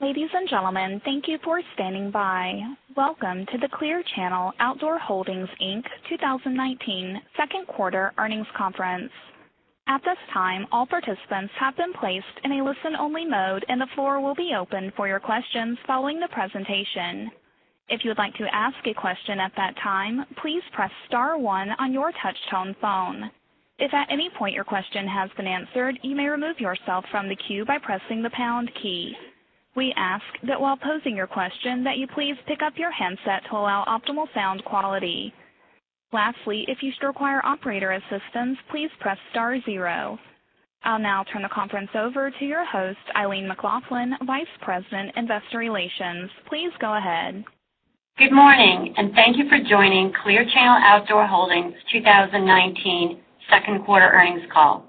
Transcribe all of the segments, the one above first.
Ladies and gentlemen, thank you for standing by. Welcome to the Clear Channel Outdoor Holdings, Inc. 2019 second quarter earnings conference. At this time, all participants have been placed in a listen-only mode, and the floor will be open for your questions following the presentation. If you would like to ask a question at that time, please press star one on your touch-tone phone. If at any point your question has been answered, you may remove yourself from the queue by pressing the pound key. We ask that while posing your question, that you please pick up your handset to allow optimal sound quality. Lastly, if you still require operator assistance, please press star zero. I'll now turn the conference over to your host, Eileen McLaughlin, Vice President, Investor Relations. Please go ahead. Good morning, and thank you for joining Clear Channel Outdoor Holdings 2019 second quarter earnings call.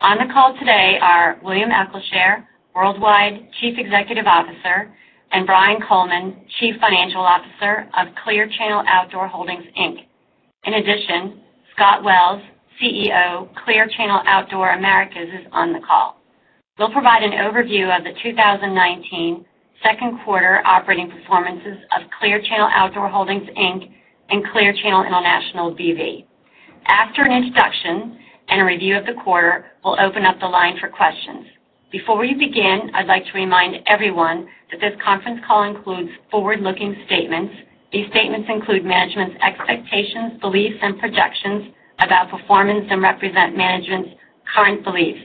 On the call today are William Eccleshare, Worldwide Chief Executive Officer, and Brian Coleman, Chief Financial Officer of Clear Channel Outdoor Holdings, Inc. In addition, Scott Wells, CEO, Clear Channel Outdoor Americas, is on the call. We'll provide an overview of the 2019 second quarter operating performances of Clear Channel Outdoor Holdings, Inc. and Clear Channel International BV. After an introduction and a review of the quarter, we'll open up the line for questions. Before we begin, I'd like to remind everyone that this conference call includes forward-looking statements. These statements include management's expectations, beliefs, and projections about performance and represent management's current beliefs.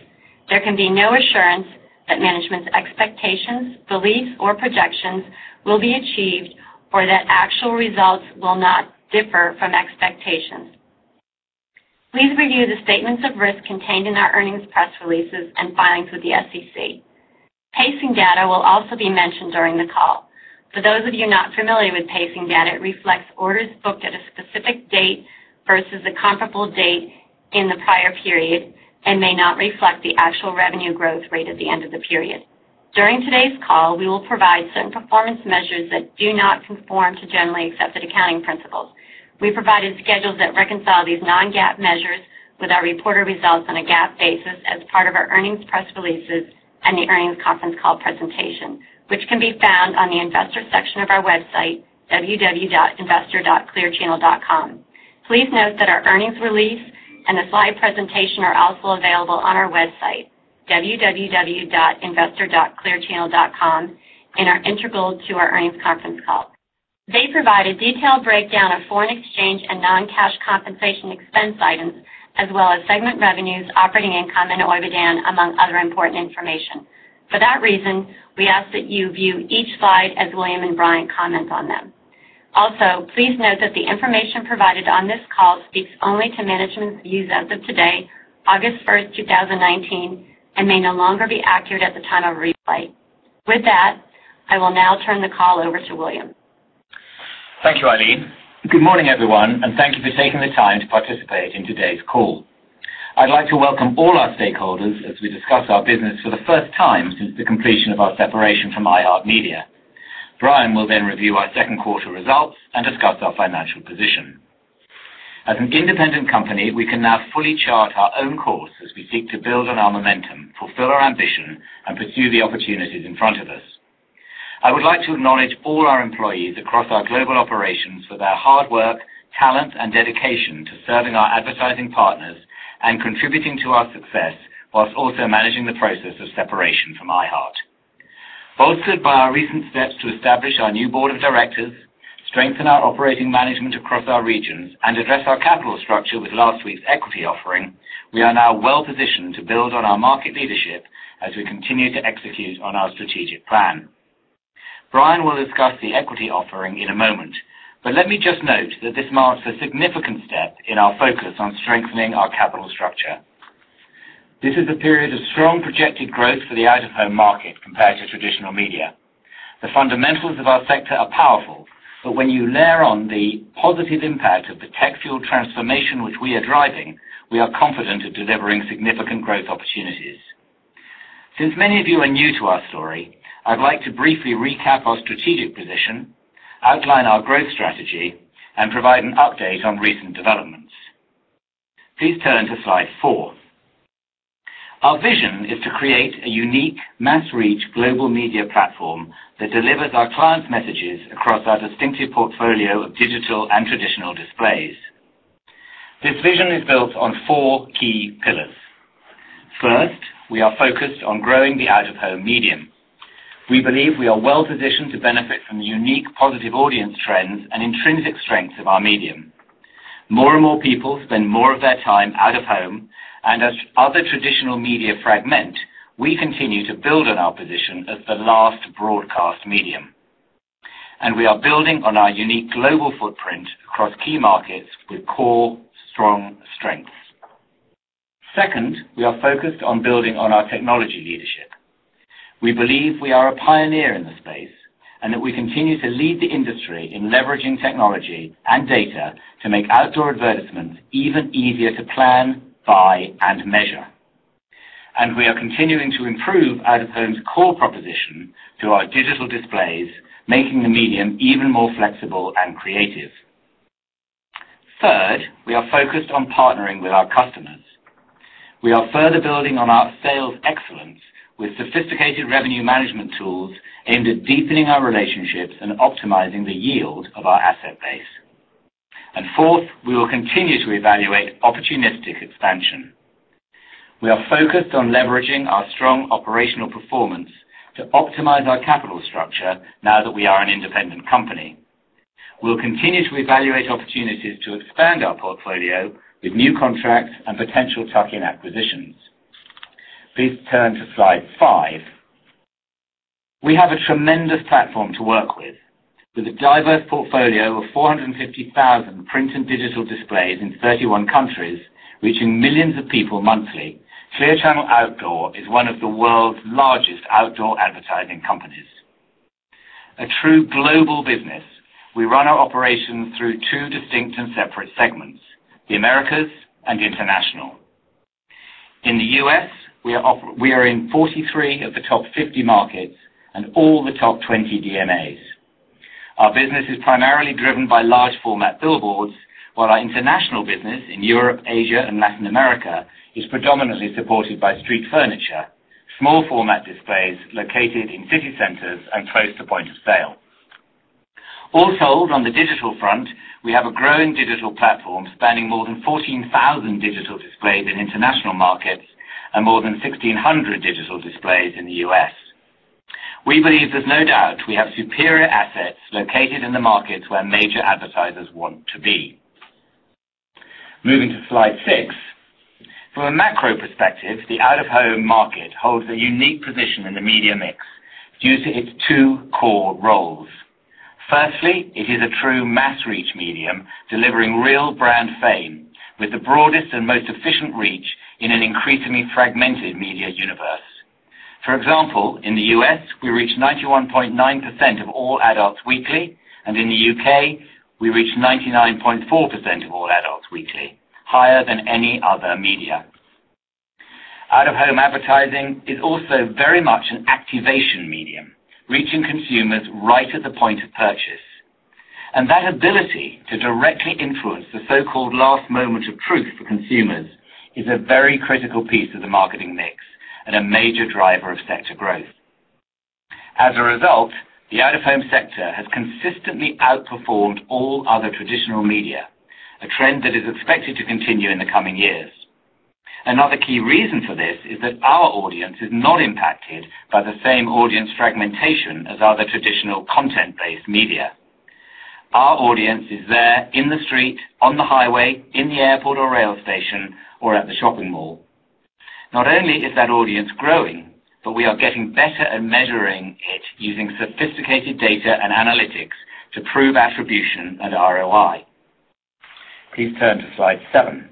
There can be no assurance that management's expectations, beliefs, or projections will be achieved or that actual results will not differ from expectations. Please review the statements of risk contained in our earnings press releases and filings with the SEC. Pacing data will also be mentioned during the call. For those of you not familiar with pacing data, it reflects orders booked at a specific date versus a comparable date in the prior period and may not reflect the actual revenue growth rate at the end of the period. During today's call, we will provide certain performance measures that do not conform to generally accepted accounting principles. We provided schedules that reconcile these non-GAAP measures with our reported results on a GAAP basis as part of our earnings press releases and the earnings conference call presentation, which can be found on the investor section of our website, www.investor.clearchannel.com. Please note that our earnings release and the slide presentation are also available on our website, www.investor.clearchannel.com, and are integral to our earnings conference call. They provide a detailed breakdown of foreign exchange and non-cash compensation expense items as well as segment revenues, operating income, and OIBDAN, among other important information. For that reason, we ask that you view each slide as William and Brian comment on them. Also, please note that the information provided on this call speaks only to management views as of today, August first, 2019, and may no longer be accurate at the time of replay. With that, I will now turn the call over to William. Thank you, Eileen. Good morning, everyone. Thank you for taking the time to participate in today's call. I'd like to welcome all our stakeholders as we discuss our business for the first time since the completion of our separation from iHeartMedia. Brian will review our second quarter results and discuss our financial position. As an independent company, we can now fully chart our own course as we seek to build on our momentum, fulfill our ambition, and pursue the opportunities in front of us. I would like to acknowledge all our employees across our global operations for their hard work, talent, and dedication to serving our advertising partners and contributing to our success while also managing the process of separation from iHeart. Bolstered by our recent steps to establish our new board of directors, strengthen our operating management across our regions, and address our capital structure with last week's equity offering, we are now well-positioned to build on our market leadership as we continue to execute on our strategic plan. Brian will discuss the equity offering in a moment, but let me just note that this marks a significant step in our focus on strengthening our capital structure. This is a period of strong projected growth for the out-of-home market compared to traditional media. The fundamentals of our sector are powerful, but when you layer on the positive impact of the tech-fueled transformation which we are driving, we are confident in delivering significant growth opportunities. Since many of you are new to our story, I'd like to briefly recap our strategic position, outline our growth strategy, and provide an update on recent developments. Please turn to slide four. Our vision is to create a unique mass-reach global media platform that delivers our clients' messages across our distinctive portfolio of digital and traditional displays. This vision is built on four key pillars. First, we are focused on growing the out-of-home medium. We believe we are well-positioned to benefit from the unique positive audience trends and intrinsic strengths of our medium. More and more people spend more of their time out-of-home, and as other traditional media fragment, we continue to build on our position as the last broadcast medium, and we are building on our unique global footprint across key markets with core, strong strengths. Second, we are focused on building on our technology leadership. We believe we are a pioneer in the space, and that we continue to lead the industry in leveraging technology and data to make outdoor advertisements even easier to plan, buy, and measure. We are continuing to improve out-of-home's core proposition through our digital displays, making the medium even more flexible and creative. Third, we are focused on partnering with our customers. We are further building on our sales excellence with sophisticated revenue management tools aimed at deepening our relationships and optimizing the yield of our asset base. Fourth, we will continue to evaluate opportunistic expansion. We are focused on leveraging our strong operational performance to optimize our capital structure now that we are an independent company. We'll continue to evaluate opportunities to expand our portfolio with new contracts and potential tuck-in acquisitions. Please turn to slide five. We have a tremendous platform to work with. With a diverse portfolio of 450,000 print and digital displays in 31 countries, reaching millions of people monthly, Clear Channel Outdoor is one of the world's largest outdoor advertising companies. A true global business, we run our operations through two distinct and separate segments, the Americas and International. In the U.S., we are in 43 of the top 50 markets and all the top 20 DMAs. Our business is primarily driven by large format billboards, while our international business in Europe, Asia, and Latin America is predominantly supported by street furniture, small format displays located in city centers and close to point of sale. Also, on the digital front, we have a growing digital platform spanning more than 14,000 digital displays in international markets and more than 1,600 digital displays in the U.S. We believe there's no doubt we have superior assets located in the markets where major advertisers want to be. Moving to slide six. From a macro perspective, the out-of-home market holds a unique position in the media mix due to its two core roles. Firstly, it is a true mass reach medium, delivering real brand fame with the broadest and most efficient reach in an increasingly fragmented media universe. For example, in the U.S., we reach 91.9% of all adults weekly, and in the U.K., we reach 99.4% of all adults weekly, higher than any other media. Out-of-home advertising is also very much an activation medium, reaching consumers right at the point of purchase. That ability to directly influence the so-called last moment of truth for consumers is a very critical piece of the marketing mix and a major driver of sector growth. As a result, the out-of-home sector has consistently outperformed all other traditional media, a trend that is expected to continue in the coming years. Another key reason for this is that our audience is not impacted by the same audience fragmentation as other traditional content-based media. Our audience is there in the street, on the highway, in the airport or rail station, or at the shopping mall. Not only is that audience growing, but we are getting better at measuring it using sophisticated data and analytics to prove attribution and ROI. Please turn to slide seven.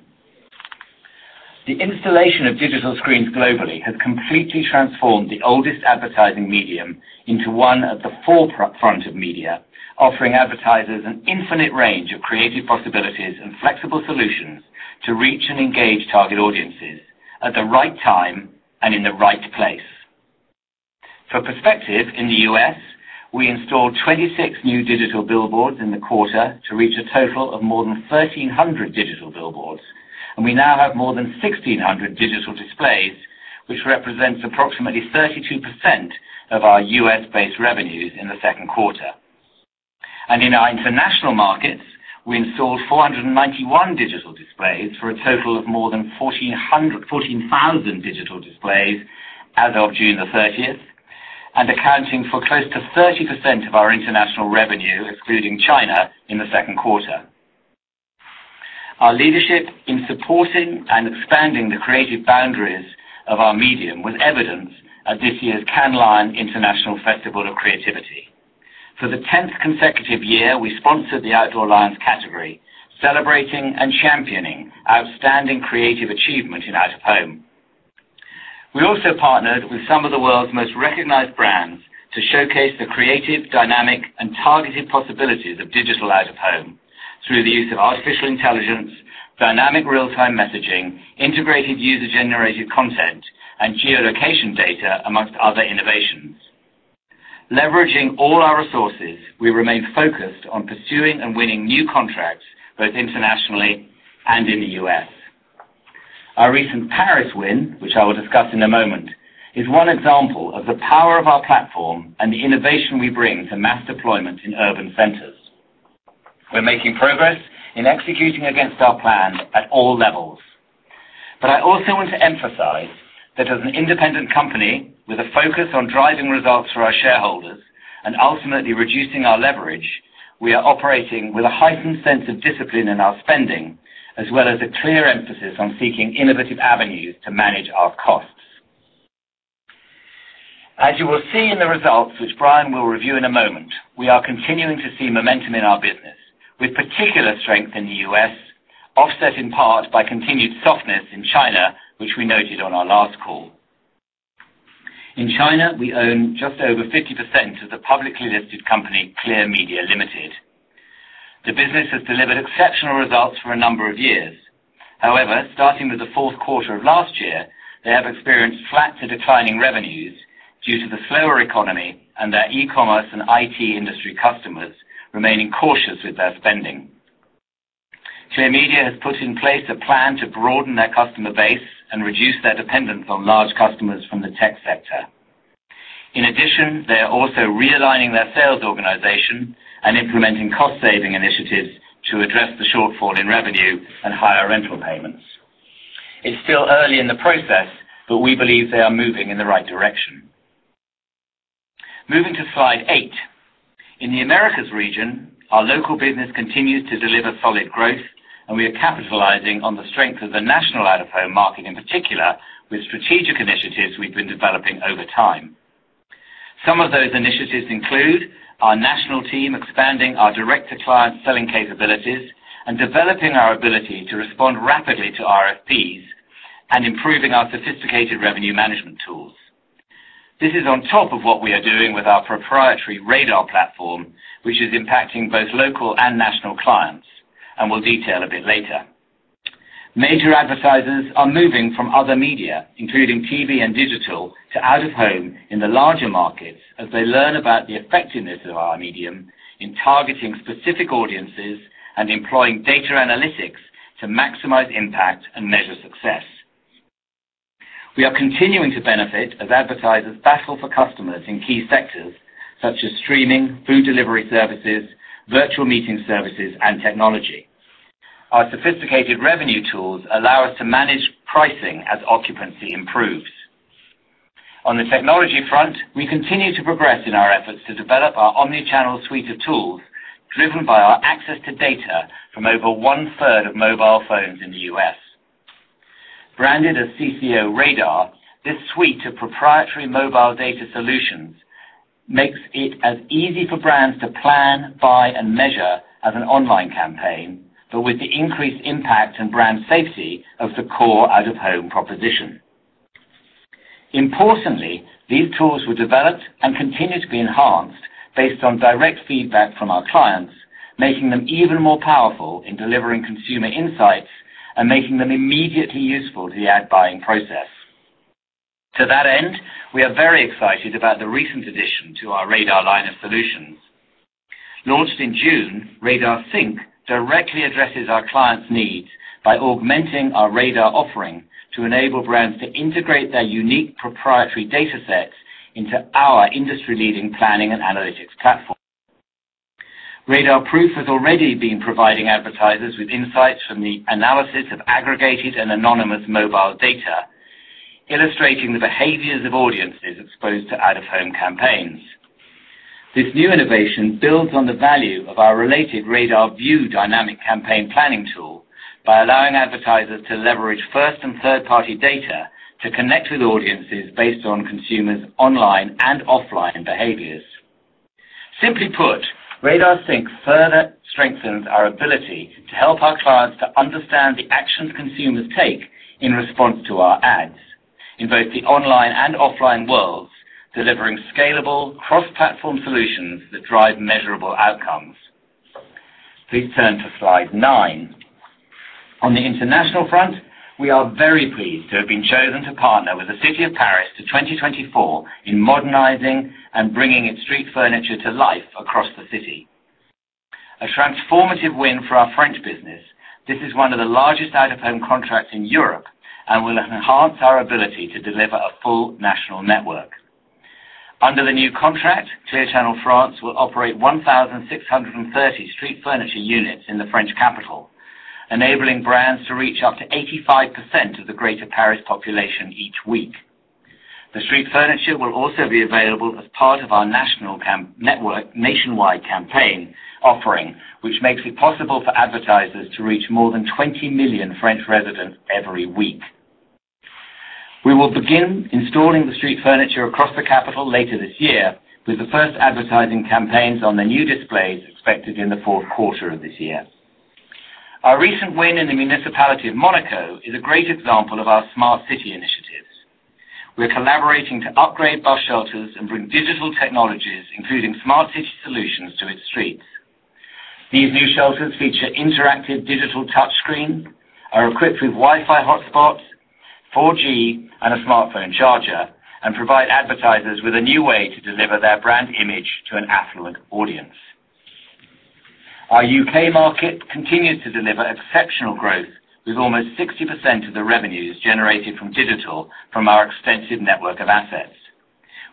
The installation of digital screens globally has completely transformed the oldest advertising medium into one at the forefront of media, offering advertisers an infinite range of creative possibilities and flexible solutions to reach and engage target audiences at the right time and in the right place. For perspective, in the U.S., we installed 26 new digital billboards in the quarter to reach a total of more than 1,300 digital billboards, and we now have more than 1,600 digital displays, which represents approximately 32% of our U.S.-based revenues in the second quarter. In our international markets, we installed 491 digital displays for a total of more than 14,000 digital displays as of June the 30th, and accounting for close to 30% of our international revenue, excluding China, in the second quarter. Our leadership in supporting and expanding the creative boundaries of our medium was evident at this year's Cannes Lions International Festival of Creativity. For the 10th consecutive year, we sponsored the Outdoor Lions category, celebrating and championing outstanding creative achievement in out of home. We also partnered with some of the world's most recognized brands to showcase the creative, dynamic, and targeted possibilities of digital out of home through the use of artificial intelligence, dynamic real-time messaging, integrated user-generated content, and geolocation data, amongst other innovations. Leveraging all our resources, we remain focused on pursuing and winning new contracts, both internationally and in the U.S. Our recent Paris win, which I will discuss in a moment, is one example of the power of our platform and the innovation we bring to mass deployment in urban centers. We're making progress in executing against our plan at all levels. I also want to emphasize that as an independent company with a focus on driving results for our shareholders and ultimately reducing our leverage, we are operating with a heightened sense of discipline in our spending, as well as a clear emphasis on seeking innovative avenues to manage our costs. As you will see in the results, which Brian will review in a moment, we are continuing to see momentum in our business, with particular strength in the U.S., offset in part by continued softness in China, which we noted on our last call. In China, we own just over 50% of the publicly listed company, Clear Media Limited. The business has delivered exceptional results for a number of years. Starting with the fourth quarter of last year, they have experienced flat to declining revenues due to the slower economy and their e-commerce and IT industry customers remaining cautious with their spending. Clear Media has put in place a plan to broaden their customer base and reduce their dependence on large customers from the tech sector. They are also realigning their sales organization and implementing cost-saving initiatives to address the shortfall in revenue and higher rental payments. It's still early in the process, but we believe they are moving in the right direction. Moving to slide eight. In the Americas region, our local business continues to deliver solid growth, and we are capitalizing on the strength of the national out-of-home market, in particular with strategic initiatives we've been developing over time. Some of those initiatives include our national team expanding our direct-to-client selling capabilities and developing our ability to respond rapidly to RFPs, and improving our sophisticated revenue management tools. This is on top of what we are doing with our proprietary RADAR platform, which is impacting both local and national clients. We'll detail a bit later. Major advertisers are moving from other media, including TV and digital, to out of home in the larger markets as they learn about the effectiveness of our medium in targeting specific audiences and employing data analytics to maximize impact and measure success. We are continuing to benefit as advertisers battle for customers in key sectors such as streaming, food delivery services, virtual meeting services, and technology. Our sophisticated revenue tools allow us to manage pricing as occupancy improves. On the technology front, we continue to progress in our efforts to develop our omni-channel suite of tools, driven by our access to data from over one-third of mobile phones in the U.S. Branded as CCO RADAR, this suite of proprietary mobile data solutions makes it as easy for brands to plan, buy, and measure as an online campaign, but with the increased impact on brand safety of the core out-of-home proposition. Importantly, these tools were developed and continue to be enhanced based on direct feedback from our clients, making them even more powerful in delivering consumer insights and making them immediately useful to the ad buying process. To that end, we are very excited about the recent addition to our RADAR line of solutions. Launched in June, RADARSync directly addresses our clients' needs by augmenting our RADAR offering to enable brands to integrate their unique proprietary data sets into our industry-leading planning and analytics platform. RADARProof has already been providing advertisers with insights from the analysis of aggregated and anonymous mobile data, illustrating the behaviors of audiences exposed to out-of-home campaigns. This new innovation builds on the value of our related RADARView dynamic campaign planning tool by allowing advertisers to leverage first and third-party data to connect with audiences based on consumers' online and offline behaviors. Simply put, RADARSync further strengthens our ability to help our clients to understand the actions consumers take in response to our ads in both the online and offline worlds, delivering scalable cross-platform solutions that drive measurable outcomes. Please turn to slide nine. On the international front, we are very pleased to have been chosen to partner with the City of Paris to 2024 in modernizing and bringing its street furniture to life across the city. A transformative win for our French business. This is one of the largest out-of-home contracts in Europe and will enhance our ability to deliver a full national network. Under the new contract, Clear Channel France will operate 1,630 street furniture units in the French capital, enabling brands to reach up to 85% of the greater Paris population each week. The street furniture will also be available as part of our nationwide campaign offering, which makes it possible for advertisers to reach more than 20 million French residents every week. We will begin installing the street furniture across the capital later this year, with the first advertising campaigns on the new displays expected in the fourth quarter of this year. Our recent win in the municipality of Monaco is a great example of our smart city initiatives. We're collaborating to upgrade bus shelters and bring digital technologies, including smart city solutions, to its streets. These new shelters feature interactive digital touchscreen, are equipped with Wi-Fi hotspots, 4G, and a smartphone charger, and provide advertisers with a new way to deliver their brand image to an affluent audience. Our U.K. market continues to deliver exceptional growth, with almost 60% of the revenues generated from digital from our extensive network of assets.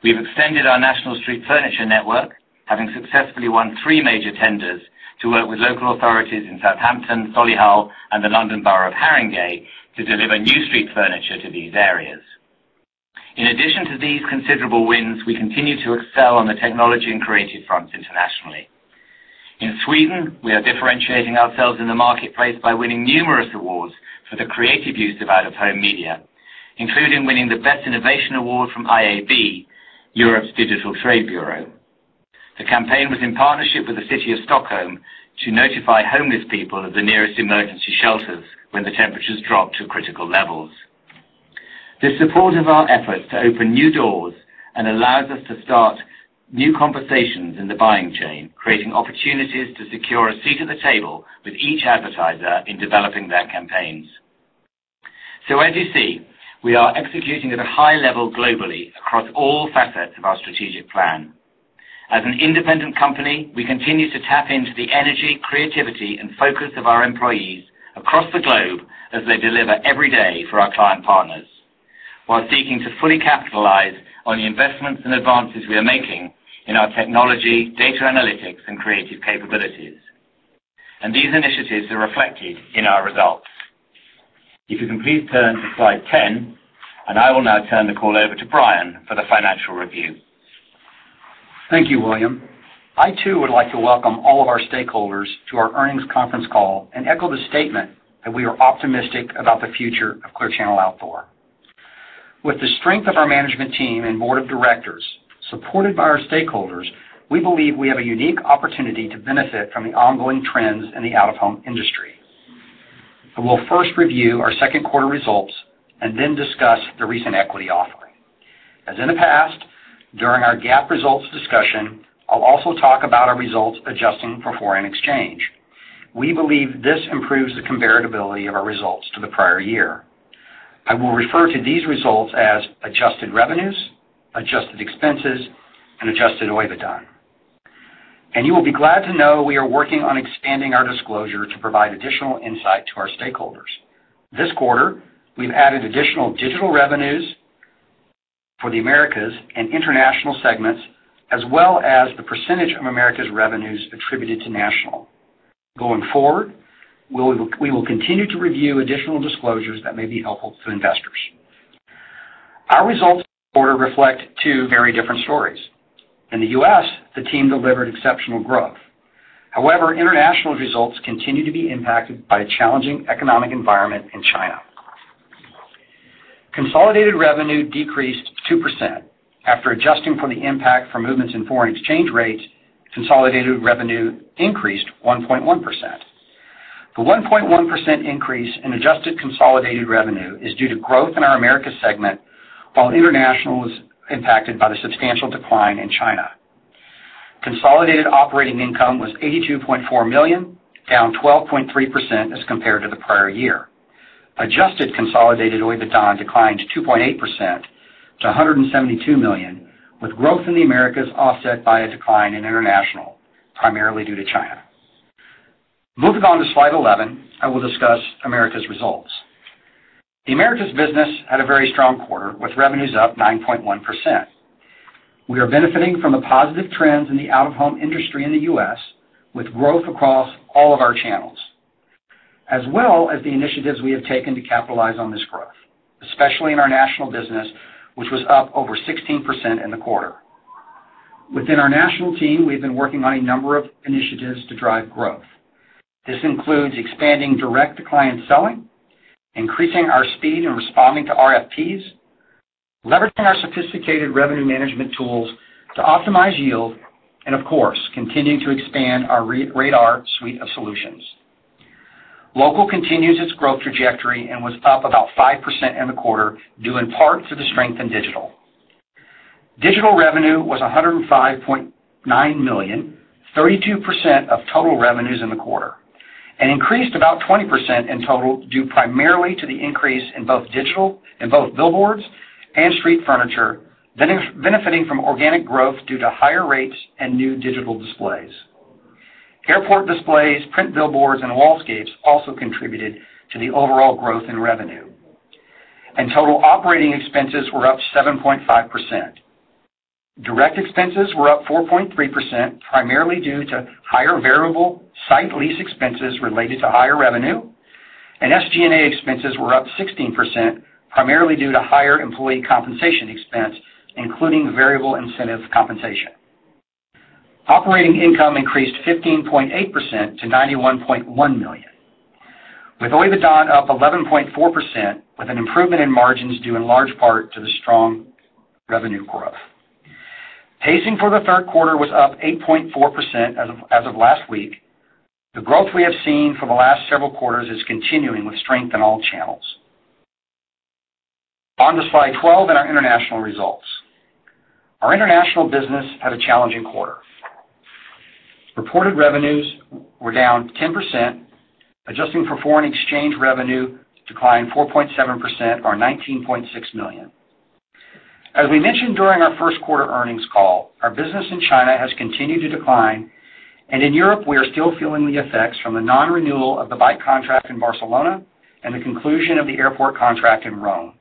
We've extended our national street furniture network, having successfully won three major tenders to work with local authorities in Southampton, Solihull, and the London Borough of Haringey to deliver new street furniture to these areas. In addition to these considerable wins, we continue to excel on the technology and creative fronts internationally. In Sweden, we are differentiating ourselves in the marketplace by winning numerous awards for the creative use of out-of-home media, including winning the Best Innovation award from IAB Europe. The campaign was in partnership with the city of Stockholm to notify homeless people of the nearest emergency shelters when the temperatures drop to critical levels. This supports our efforts to open new doors and allows us to start new conversations in the buying chain, creating opportunities to secure a seat at the table with each advertiser in developing their campaigns. As you see, we are executing at a high level globally across all facets of our strategic plan. As an independent company, we continue to tap into the energy, creativity, and focus of our employees across the globe as they deliver every day for our client partners, while seeking to fully capitalize on the investments and advances we are making in our technology, data analytics, and creative capabilities. These initiatives are reflected in our results. If you can please turn to slide 10, and I will now turn the call over to Brian for the financial review. Thank you, William. I too would like to welcome all of our stakeholders to our earnings conference call and echo the statement that we are optimistic about the future of Clear Channel Outdoor. With the strength of our management team and board of directors, supported by our stakeholders, we believe we have a unique opportunity to benefit from the ongoing trends in the out-of-home industry. I will first review our second quarter results and then discuss the recent equity offering. As in the past, during our GAAP results discussion, I'll also talk about our results adjusting for foreign exchange. We believe this improves the comparability of our results to the prior year. I will refer to these results as adjusted revenues, adjusted expenses, and adjusted OIBDA. You will be glad to know we are working on expanding our disclosure to provide additional insight to our stakeholders. This quarter, we've added additional digital revenues for the Americas and International segments, as well as the % of Americas revenues attributed to national. Going forward, we will continue to review additional disclosures that may be helpful to investors. Our results this quarter reflect two very different stories. In the U.S., the team delivered exceptional growth. However, International results continue to be impacted by a challenging economic environment in China. Consolidated revenue decreased 2%. After adjusting for the impact from movements in foreign exchange rates, consolidated revenue increased 1.1%. The 1.1% increase in adjusted consolidated revenue is due to growth in our Americas segment, while International was impacted by the substantial decline in China. Consolidated operating income was $82.4 million, down 12.3% as compared to the prior year. Adjusted consolidated OIBDA declined to 2.8% to $172 million, with growth in the Americas offset by a decline in international, primarily due to China. Moving on to slide 11, I will discuss Americas results. The Americas business had a very strong quarter, with revenues up 9.1%. We are benefiting from the positive trends in the out-of-home industry in the U.S., with growth across all of our channels, as well as the initiatives we have taken to capitalize on this growth, especially in our national business, which was up over 16% in the quarter. Within our national team, we've been working on a number of initiatives to drive growth. This includes expanding direct-to-client selling, increasing our speed in responding to RFPs, leveraging our sophisticated revenue management tools to optimize yield, and of course, continuing to expand our RADAR suite of solutions. Local continues its growth trajectory and was up about 5% in the quarter, due in part to the strength in digital. Digital revenue was $105.9 million, 32% of total revenues in the quarter, and increased about 20% in total due primarily to the increase in both billboards and street furniture, benefiting from organic growth due to higher rates and new digital displays. Airport displays, print billboards, and wallscapes also contributed to the overall growth in revenue. Total operating expenses were up 7.5%. Direct expenses were up 4.3%, primarily due to higher variable site lease expenses related to higher revenue, and SG&A expenses were up 16%, primarily due to higher employee compensation expense, including variable incentive compensation. Operating income increased 15.8% to $91.1 million, with OIBDA up 11.4%, with an improvement in margins due in large part to the strong revenue growth. Pacing for the third quarter was up 8.4% as of last week. The growth we have seen for the last several quarters is continuing with strength in all channels. On to slide 12 and our international results. Our international business had a challenging quarter. Reported revenues were down 10%. Adjusting for foreign exchange, revenue declined 4.7%, or $19.6 million. As we mentioned during our first quarter earnings call, our business in China has continued to decline, and in Europe, we are still feeling the effects from the non-renewal of the bike contract in Barcelona and the conclusion of the airport contract in Rome.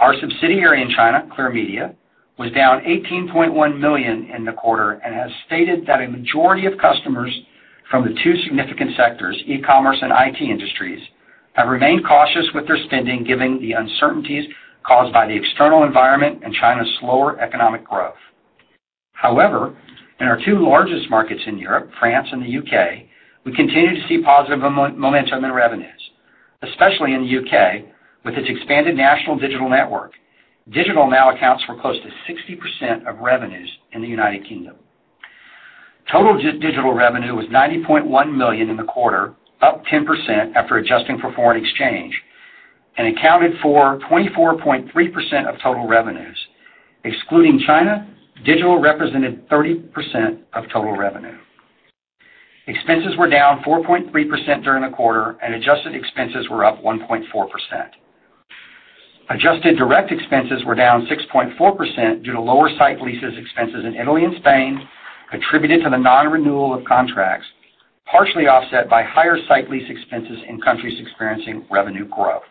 Our subsidiary in China, Clear Media, was down $18.1 million in the quarter and has stated that a majority of customers from the two significant sectors, e-commerce and IT industries, have remained cautious with their spending, given the uncertainties caused by the external environment and China's slower economic growth. However, in our two largest markets in Europe, France and the U.K., we continue to see positive momentum in revenues. Especially in the U.K., with its expanded national digital network. Digital now accounts for close to 60% of revenues in the United Kingdom. Total digital revenue was $90.1 million in the quarter, up 10% after adjusting for foreign exchange, and accounted for 24.3% of total revenues. Excluding China, digital represented 30% of total revenue. Expenses were down 4.3% during the quarter, and adjusted expenses were up 1.4%. Adjusted direct expenses were down 6.4% due to lower site leases expenses in Italy and Spain, attributed to the non-renewal of contracts, partially offset by higher site lease expenses in countries experiencing revenue growth.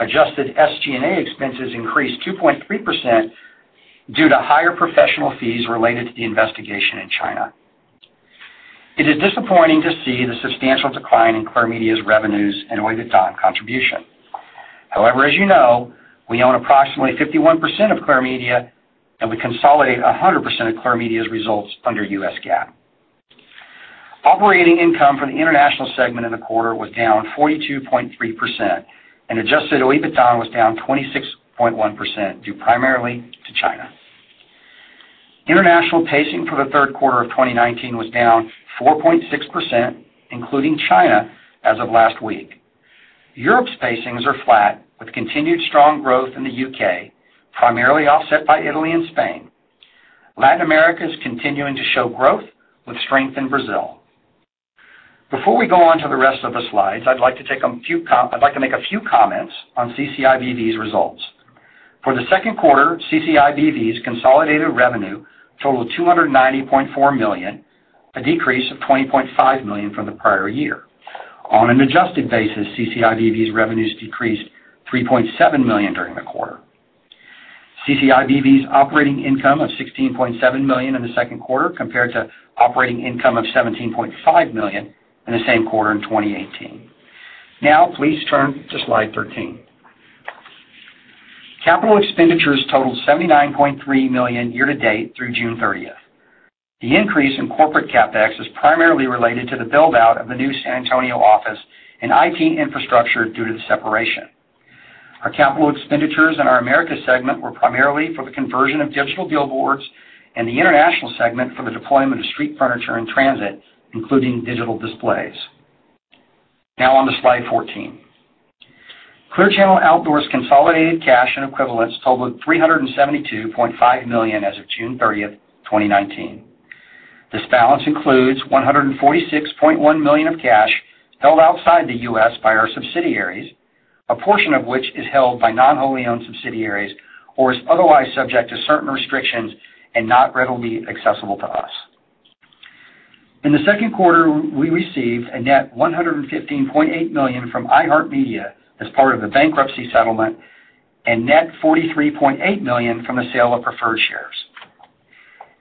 Adjusted SG&A expenses increased 2.3% due to higher professional fees related to the investigation in China. It is disappointing to see the substantial decline in Clear Media's revenues and OIBDA contribution. As you know, we own approximately 51% of Clear Media, and we consolidate 100% of Clear Media's results under U.S. GAAP. Operating income for the international segment in the quarter was down 42.3%, and adjusted OIBDA was down 26.1%, due primarily to China. International pacing for the third quarter of 2019 was down 4.6%, including China, as of last week. Europe's pacings are flat, with continued strong growth in the U.K., primarily offset by Italy and Spain. Latin America is continuing to show growth with strength in Brazil. Before we go on to the rest of the slides, I'd like to make a few comments on CCIBV's results. For the second quarter, CCIBV's consolidated revenue totaled $290.4 million, a decrease of $20.5 million from the prior year. On an adjusted basis, CCIBV's revenues decreased $3.7 million during the quarter. CCIBV's operating income of $16.7 million in the second quarter compared to operating income of $17.5 million in the same quarter in 2018. Now, please turn to slide 13. Capital expenditures totaled $79.3 million year to date through June 30th. The increase in corporate CapEx is primarily related to the build-out of the new San Antonio office and IT infrastructure due to the separation. Our capital expenditures in our Americas segment were primarily for the conversion of digital billboards, and the international segment for the deployment of street furniture and transit, including digital displays. Now on to slide 14. Clear Channel Outdoor's consolidated cash and equivalents totaled $372.5 million as of June 30, 2019. This balance includes $146.1 million of cash held outside the U.S. by our subsidiaries, a portion of which is held by non-wholly owned subsidiaries or is otherwise subject to certain restrictions and not readily accessible to us. In the second quarter, we received a net $115.8 million from iHeartMedia as part of a bankruptcy settlement and net $43.8 million from the sale of preferred shares.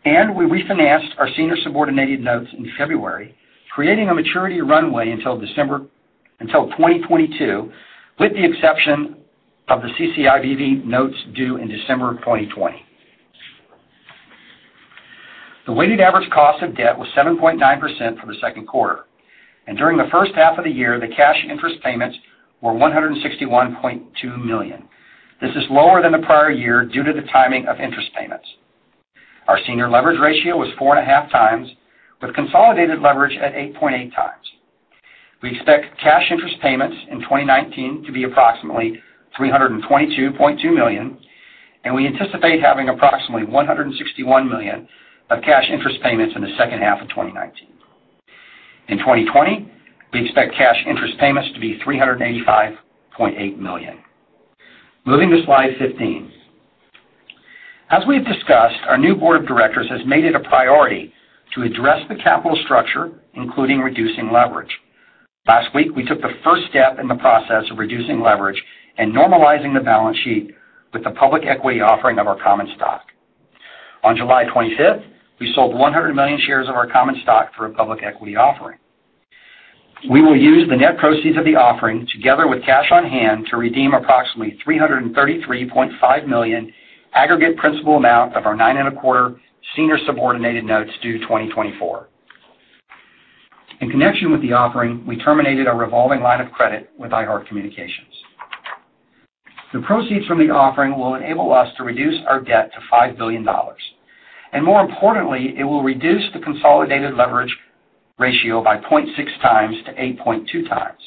We refinanced our senior subordinated notes in February, creating a maturity runway until 2022, with the exception of the CCIBV notes due in December 2020. The weighted average cost of debt was 7.9% for the second quarter. During the first half of the year, the cash interest payments were $161.2 million. This is lower than the prior year due to the timing of interest payments. Our senior leverage ratio was 4.5 times, with consolidated leverage at 8.8 times. We expect cash interest payments in 2019 to be approximately $322.2 million, and we anticipate having approximately $161 million of cash interest payments in the second half of 2019. In 2020, we expect cash interest payments to be $385.8 million. Moving to slide 15. As we've discussed, our new board of directors has made it a priority to address the capital structure, including reducing leverage. Last week, we took the first step in the process of reducing leverage and normalizing the balance sheet with the public equity offering of our common stock. On July 25th, we sold $100 million shares of our common stock for a public equity offering. We will use the net proceeds of the offering, together with cash on hand, to redeem approximately $333.5 million aggregate principal amount of our nine and a quarter senior subordinated notes due 2024. In connection with the offering, we terminated a revolving line of credit with iHeartCommunications. The proceeds from the offering will enable us to reduce our debt to $5 billion. More importantly, it will reduce the consolidated leverage ratio by 0.6 times to 8.2 times,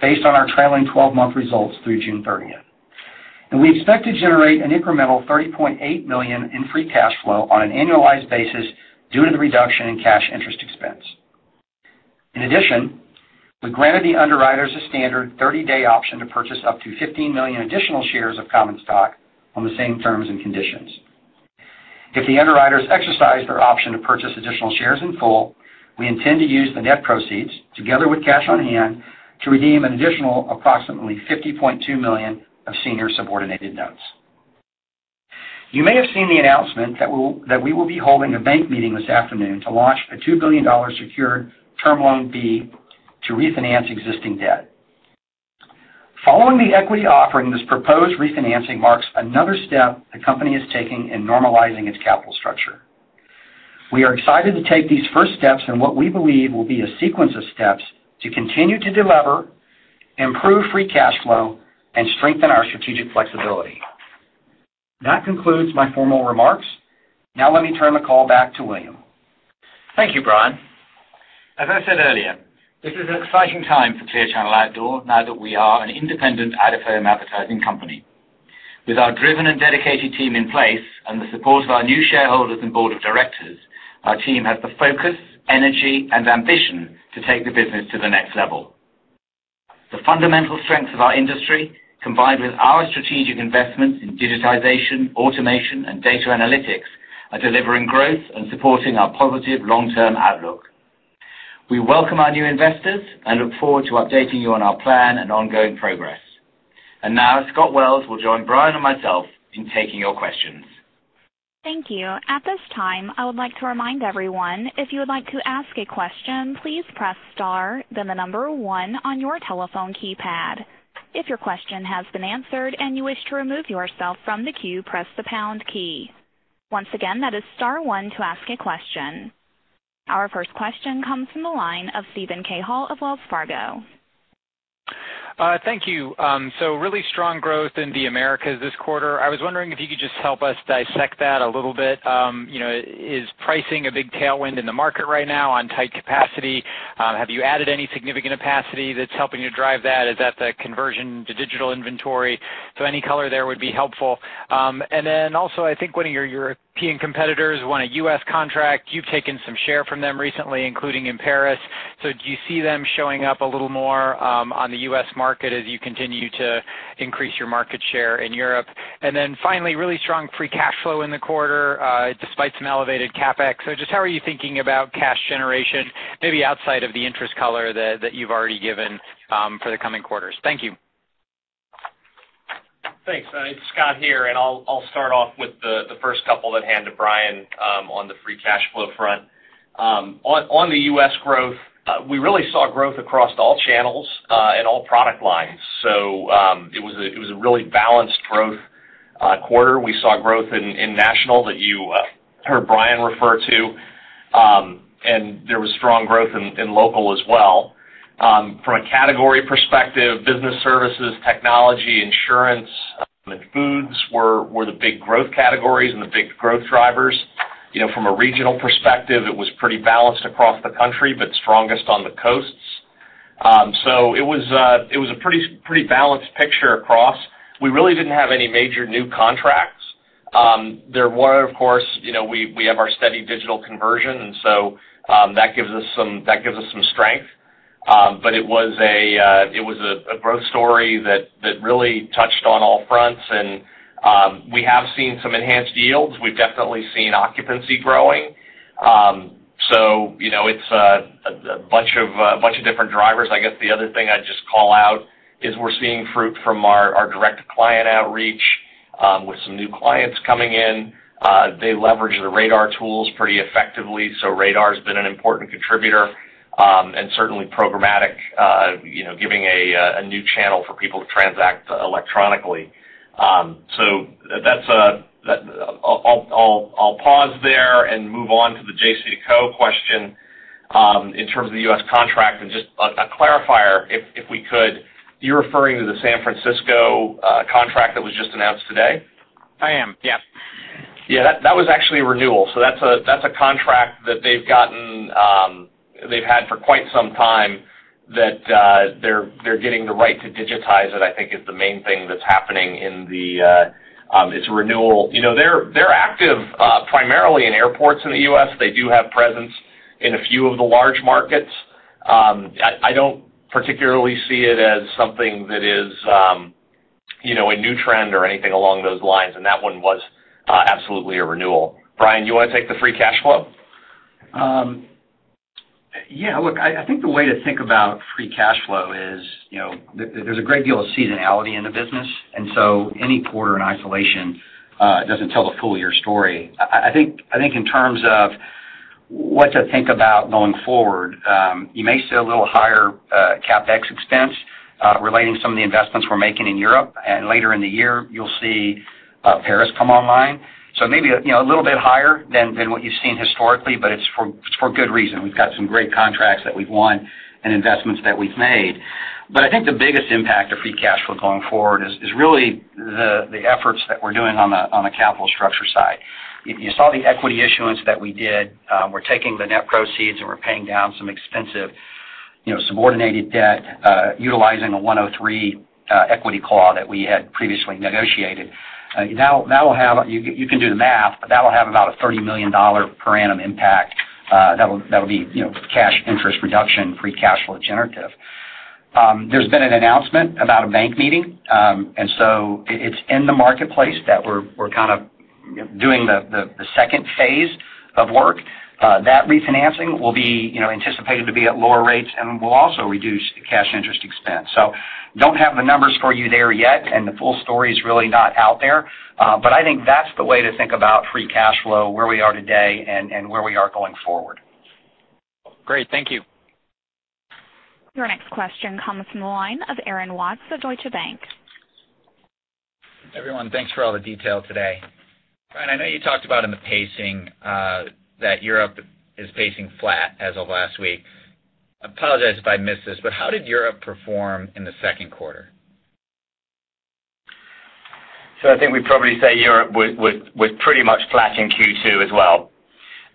based on our trailing 12-month results through June 30th. We expect to generate an incremental $30.8 million in free cash flow on an annualized basis due to the reduction in cash interest expense. In addition, we granted the underwriters a standard 30-day option to purchase up to 15 million additional shares of common stock on the same terms and conditions. If the underwriters exercise their option to purchase additional shares in full, we intend to use the net proceeds, together with cash on hand, to redeem an additional approximately $50.2 million of senior subordinated notes. You may have seen the announcement that we will be holding a bank meeting this afternoon to launch a $2 billion secured Term Loan B to refinance existing debt. Following the equity offering, this proposed refinancing marks another step the company is taking in normalizing its capital structure. We are excited to take these first steps in what we believe will be a sequence of steps to continue to de-lever, improve free cash flow, and strengthen our strategic flexibility. That concludes my formal remarks. Now let me turn the call back to William. Thank you, Brian. As I said earlier, this is an exciting time for Clear Channel Outdoor now that we are an independent out-of-home advertising company. With our driven and dedicated team in place and the support of our new shareholders and board of directors, our team has the focus, energy, and ambition to take the business to the next level. The fundamental strengths of our industry, combined with our strategic investments in digitization, automation, and data analytics, are delivering growth and supporting our positive long-term outlook. We welcome our new investors and look forward to updating you on our plan and ongoing progress. Now, Scott Wells will join Brian and myself in taking your questions. Thank you. At this time, I would like to remind everyone, if you would like to ask a question, please press star, then the number 1 on your telephone keypad. If your question has been answered and you wish to remove yourself from the queue, press the pound key. Once again, that is star 1 to ask a question. Our first question comes from the line of Steven Cahall of Wells Fargo. Thank you. Really strong growth in the Americas this quarter. I was wondering if you could just help us dissect that a little bit. Is pricing a big tailwind in the market right now on tight capacity? Have you added any significant capacity that's helping to drive that? Is that the conversion to digital inventory? Any color there would be helpful. I think one of your European competitors won a U.S. contract. You've taken some share from them recently, including in Paris. Do you see them showing up a little more on the U.S. market as you continue to increase your market share in Europe? Really strong free cash flow in the quarter, despite some elevated CapEx. Just how are you thinking about cash generation, maybe outside of the interest color that you've already given for the coming quarters? Thank you. Thanks. It's Scott here. I'll start off with the first couple then hand to Brian on the free cash flow front. On the U.S. growth, we really saw growth across all channels, in all product lines. It was a really balanced growth quarter. We saw growth in national that you heard Brian refer to, and there was strong growth in local as well. From a category perspective, business services, technology, insurance, and foods were the big growth categories and the big growth drivers. From a regional perspective, it was pretty balanced across the country, but strongest on the coasts. It was a pretty balanced picture across. We really didn't have any major new contracts. We have our steady digital conversion, and so, that gives us some strength. It was a growth story that really touched on all fronts and we have seen some enhanced yields. We've definitely seen occupancy growing. It's a bunch of different drivers. I guess the other thing I'd just call out is we're seeing fruit from our direct client outreach, with some new clients coming in. They leverage the RADAR tools pretty effectively, RADAR's been an important contributor, and certainly programmatic, giving a new channel for people to transact electronically. I'll pause there and move on to the JCDecaux question, in terms of the U.S. contract and just a clarifier, if we could, you're referring to the San Francisco contract that was just announced today? I am, yeah. Yeah, that was actually a renewal. That's a contract that they've had for quite some time that they're getting the right to digitize it, I think is the main thing that's happening in its renewal. They're active primarily in airports in the U.S. They do have presence in a few of the large markets. I don't particularly see it as something that is a new trend or anything along those lines, and that one was absolutely a renewal. Brian, you want to take the free cash flow? Yeah, look, I think the way to think about free cash flow is, there's a great deal of seasonality in the business, any quarter in isolation doesn't tell the full year story. I think in terms of what to think about going forward, you may see a little higher CapEx expense relating some of the investments we're making in Europe, later in the year, you'll see Paris come online. Maybe a little bit higher than what you've seen historically, but it's for good reason. We've got some great contracts that we've won and investments that we've made. I think the biggest impact of free cash flow going forward is really the efforts that we're doing on the capital structure side. You saw the equity issuance that we did. We're taking the net proceeds, and we're paying down some expensive subordinated debt, utilizing a 103 equity claw that we had previously negotiated. You can do the math, but that'll have about a $30 million per annum impact. That'll be cash interest reduction, free cash flow generative. There's been an announcement about a bank meeting, and so it's in the marketplace that we're kind of doing the 2 phase of work. That refinancing will be anticipated to be at lower rates and will also reduce cash interest expense. Don't have the numbers for you there yet, and the full story's really not out there. I think that's the way to think about free cash flow, where we are today and where we are going forward. Great. Thank you. Your next question comes from the line of Aaron Watts of Deutsche Bank. Everyone, thanks for all the detail today. Brian, I know you talked about in the pacing that Europe is pacing flat as of last week. I apologize if I missed this, but how did Europe perform in the second quarter? I think we'd probably say Europe was pretty much flat in Q2 as well.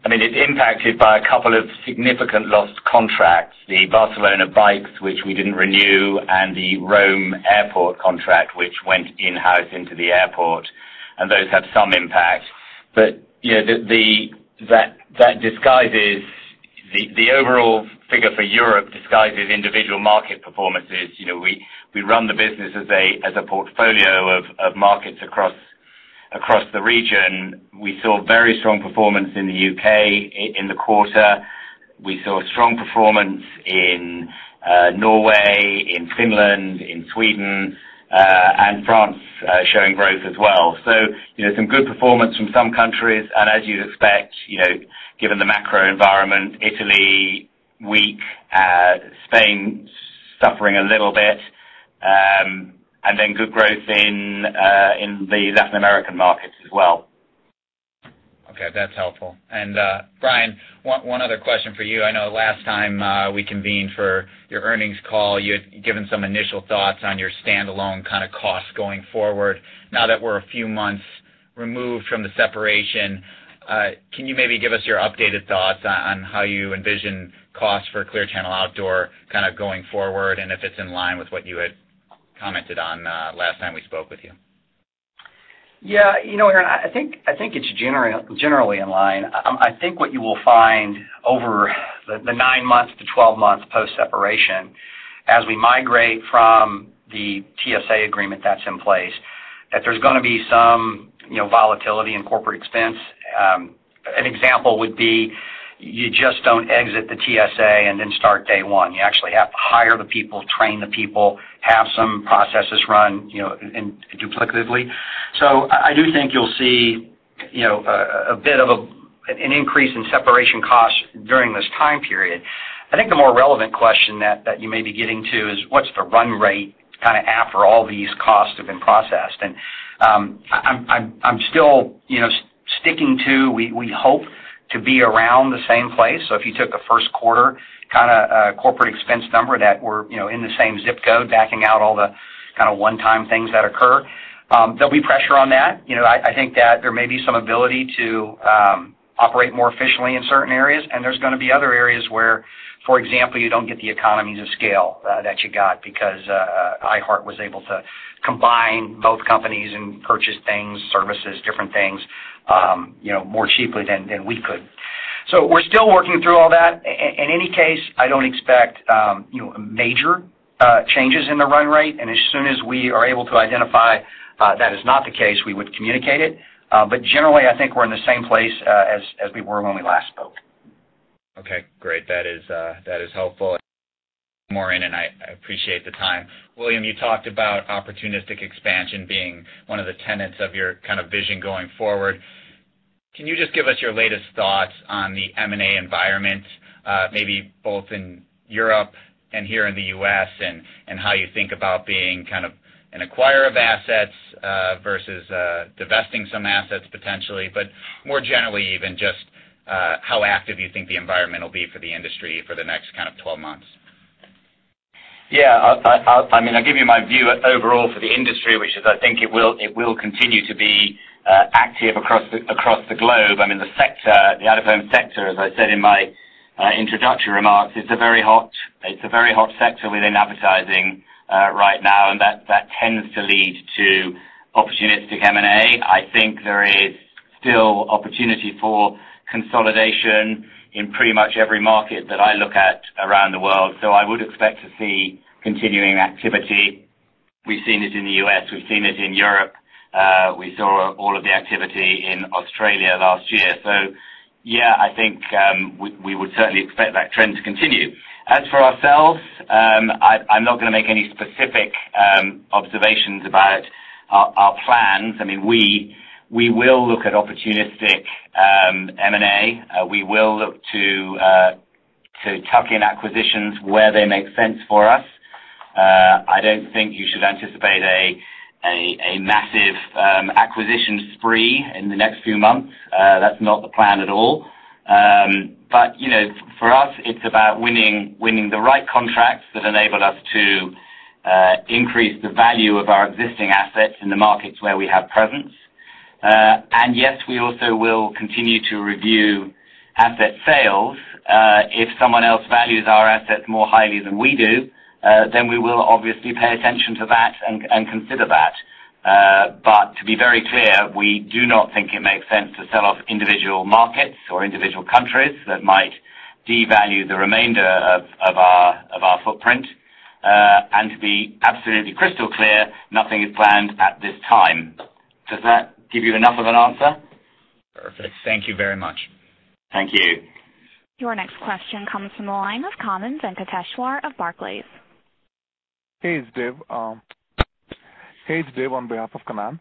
It's impacted by a couple of significant lost contracts, the Barcelona bikes, which we didn't renew, and the Rome Airport contract, which went in-house into the airport, and those had some impact. The overall figure for Europe disguises individual market performances. We run the business as a portfolio of markets across the region. We saw very strong performance in the U.K. in the quarter. We saw strong performance in Norway, in Finland, in Sweden, and France showing growth as well. Some good performance from some countries, and as you'd expect, given the macro environment, Italy, weak, Spain, suffering a little bit, and then good growth in the Latin American markets as well. Okay, that's helpful. Brian, one other question for you. I know last time we convened for your earnings call, you had given some initial thoughts on your standalone kind of costs going forward. Now that we're a few months removed from the separation, can you maybe give us your updated thoughts on how you envision costs for Clear Channel Outdoor kind of going forward, and if it's in line with what you had commented on last time we spoke with you? Yeah, Aaron, I think it's generally in line. I think what you will find over the 9 months to 12 months post-separation, as we migrate from the TSA agreement that's in place, that there's going to be some volatility in corporate expense. An example would be you just don't exit the TSA and then start day one. You actually have to hire the people, train the people, have some processes run duplicatively. I do think you'll see a bit of an increase in separation costs during this time period. I think the more relevant question that you may be getting to is what's the run rate kind of after all these costs have been processed? I'm still sticking to, we hope to be around the same place. If you took a first quarter kind of corporate expense number that we're in the same zip code, backing out all the kind of one-time things that occur. There'll be pressure on that. I think that there may be some ability to operate more efficiently in certain areas, and there's going to be other areas where, for example, you don't get the economies of scale that you got because iHeart was able to combine both companies and purchase things, services, different things, more cheaply than we could. We're still working through all that. In any case, I don't expect major changes in the run rate. As soon as we are able to identify that is not the case, we would communicate it. Generally, I think we're in the same place as we were when we last spoke. Okay, great. That is helpful. I appreciate the time. William, you talked about opportunistic expansion being one of the tenets of your kind of vision going forward. Can you just give us your latest thoughts on the M&A environment, maybe both in Europe and here in the U.S., and how you think about being kind of an acquirer of assets versus divesting some assets potentially, but more generally even just how active you think the environment will be for the industry for the next kind of 12 months? Yeah. I'll give you my view overall for the industry, which is, I think it will continue to be active across the globe. The out-of-home sector, as I said in my introductory remarks, it's a very hot sector within advertising right now, and that tends to lead to opportunistic M&A. I think there is still opportunity for consolidation in pretty much every market that I look at around the world. I would expect to see continuing activity. We've seen it in the U.S., we've seen it in Europe. We saw all of the activity in Australia last year. Yeah, I think we would certainly expect that trend to continue. As for ourselves, I'm not going to make any specific observations about our plans. We will look at opportunistic M&A. We will look to tuck-in acquisitions where they make sense for us. I don't think you should anticipate a massive acquisition spree in the next few months. That's not the plan at all. For us, it's about winning the right contracts that enable us to increase the value of our existing assets in the markets where we have presence. Yes, we also will continue to review asset sales. If someone else values our assets more highly than we do, we will obviously pay attention to that and consider that. To be very clear, we do not think it makes sense to sell off individual markets or individual countries that might devalue the remainder of our footprint. To be absolutely crystal clear, nothing is planned at this time. Does that give you enough of an answer? Perfect. Thank you very much. Thank you. Your next question comes from the line of Kannan Venkateshwar of Barclays. Hey, it's Dev. Hey, it's Dev on behalf of Kannan.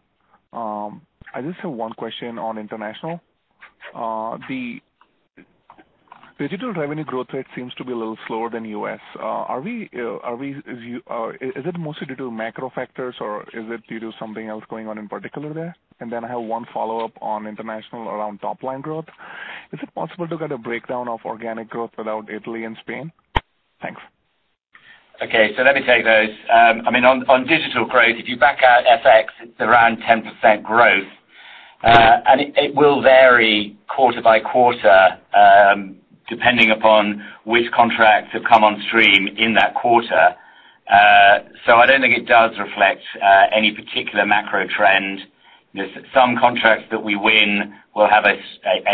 I just have one question on international. The digital revenue growth rate seems to be a little slower than U.S. Is it mostly due to macro factors, or is it due to something else going on in particular there? I have one follow-up on international around top-line growth. Is it possible to get a breakdown of organic growth without Italy and Spain? Thanks. Okay, let me take those. On digital growth, if you back out FX, it's around 10% growth. It will vary quarter by quarter, depending upon which contracts have come on stream in that quarter. I don't think it does reflect any particular macro trend. Some contracts that we win will have a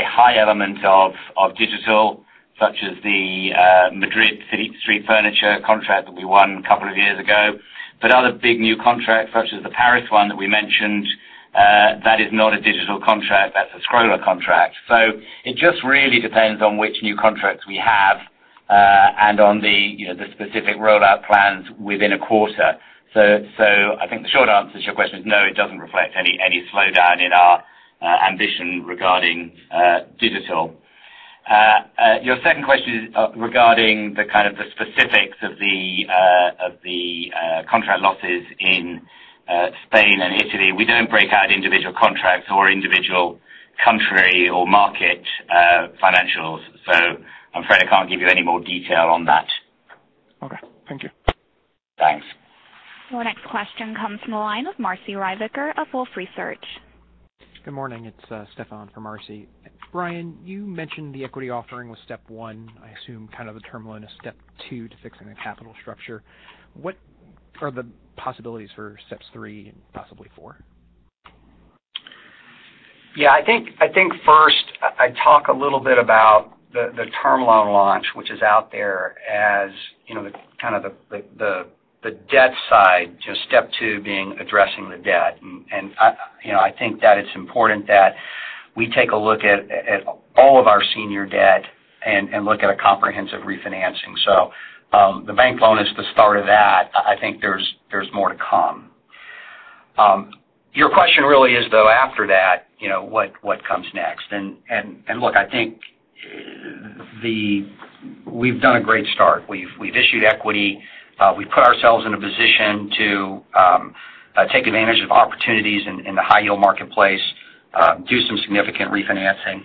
high element of digital, such as the Madrid city street furniture contract that we won a couple of years ago. Other big new contracts, such as the Paris one that we mentioned, that is not a digital contract, that's a scroller contract. It just really depends on which new contracts we have, and on the specific rollout plans within a quarter. I think the short answer to your question is no, it doesn't reflect any slowdown in our ambition regarding digital. Your second question regarding the kind of the specifics of the contract losses in Spain and Italy, we don't break out individual contracts or individual country or market financials, so I'm afraid I can't give you any more detail on that. Okay. Thank you. Thanks. The next question comes from the line of Marci Ryvicker of Wolfe Research. Good morning. It's Stefan for Marci. Brian, you mentioned the equity offering was step one, I assume kind of the term loan is step two to fixing the capital structure. What are the possibilities for steps three and possibly four? Yeah, I think first I'd talk a little bit about the term loan launch, which is out there as the kind of the debt side, just step two being addressing the debt. I think that it's important that we take a look at all of our senior debt and look at a comprehensive refinancing. The bank loan is the start of that. I think there's more to come. Your question really is, though, after that, what comes next? Look, I think we've done a great start. We've issued equity. We've put ourselves in a position to take advantage of opportunities in the high-yield marketplace, do some significant refinancing,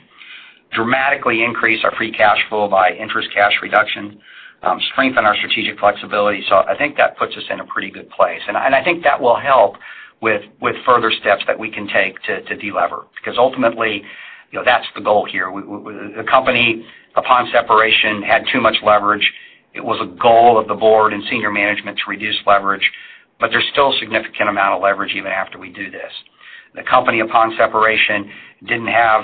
dramatically increase our free cash flow by interest cash reduction, strengthen our strategic flexibility. I think that puts us in a pretty good place. I think that will help with further steps that we can take to de-lever, because ultimately, that's the goal here. The company, upon separation, had too much leverage. It was a goal of the board and senior management to reduce leverage, but there's still a significant amount of leverage even after we do this. The company, upon separation, didn't have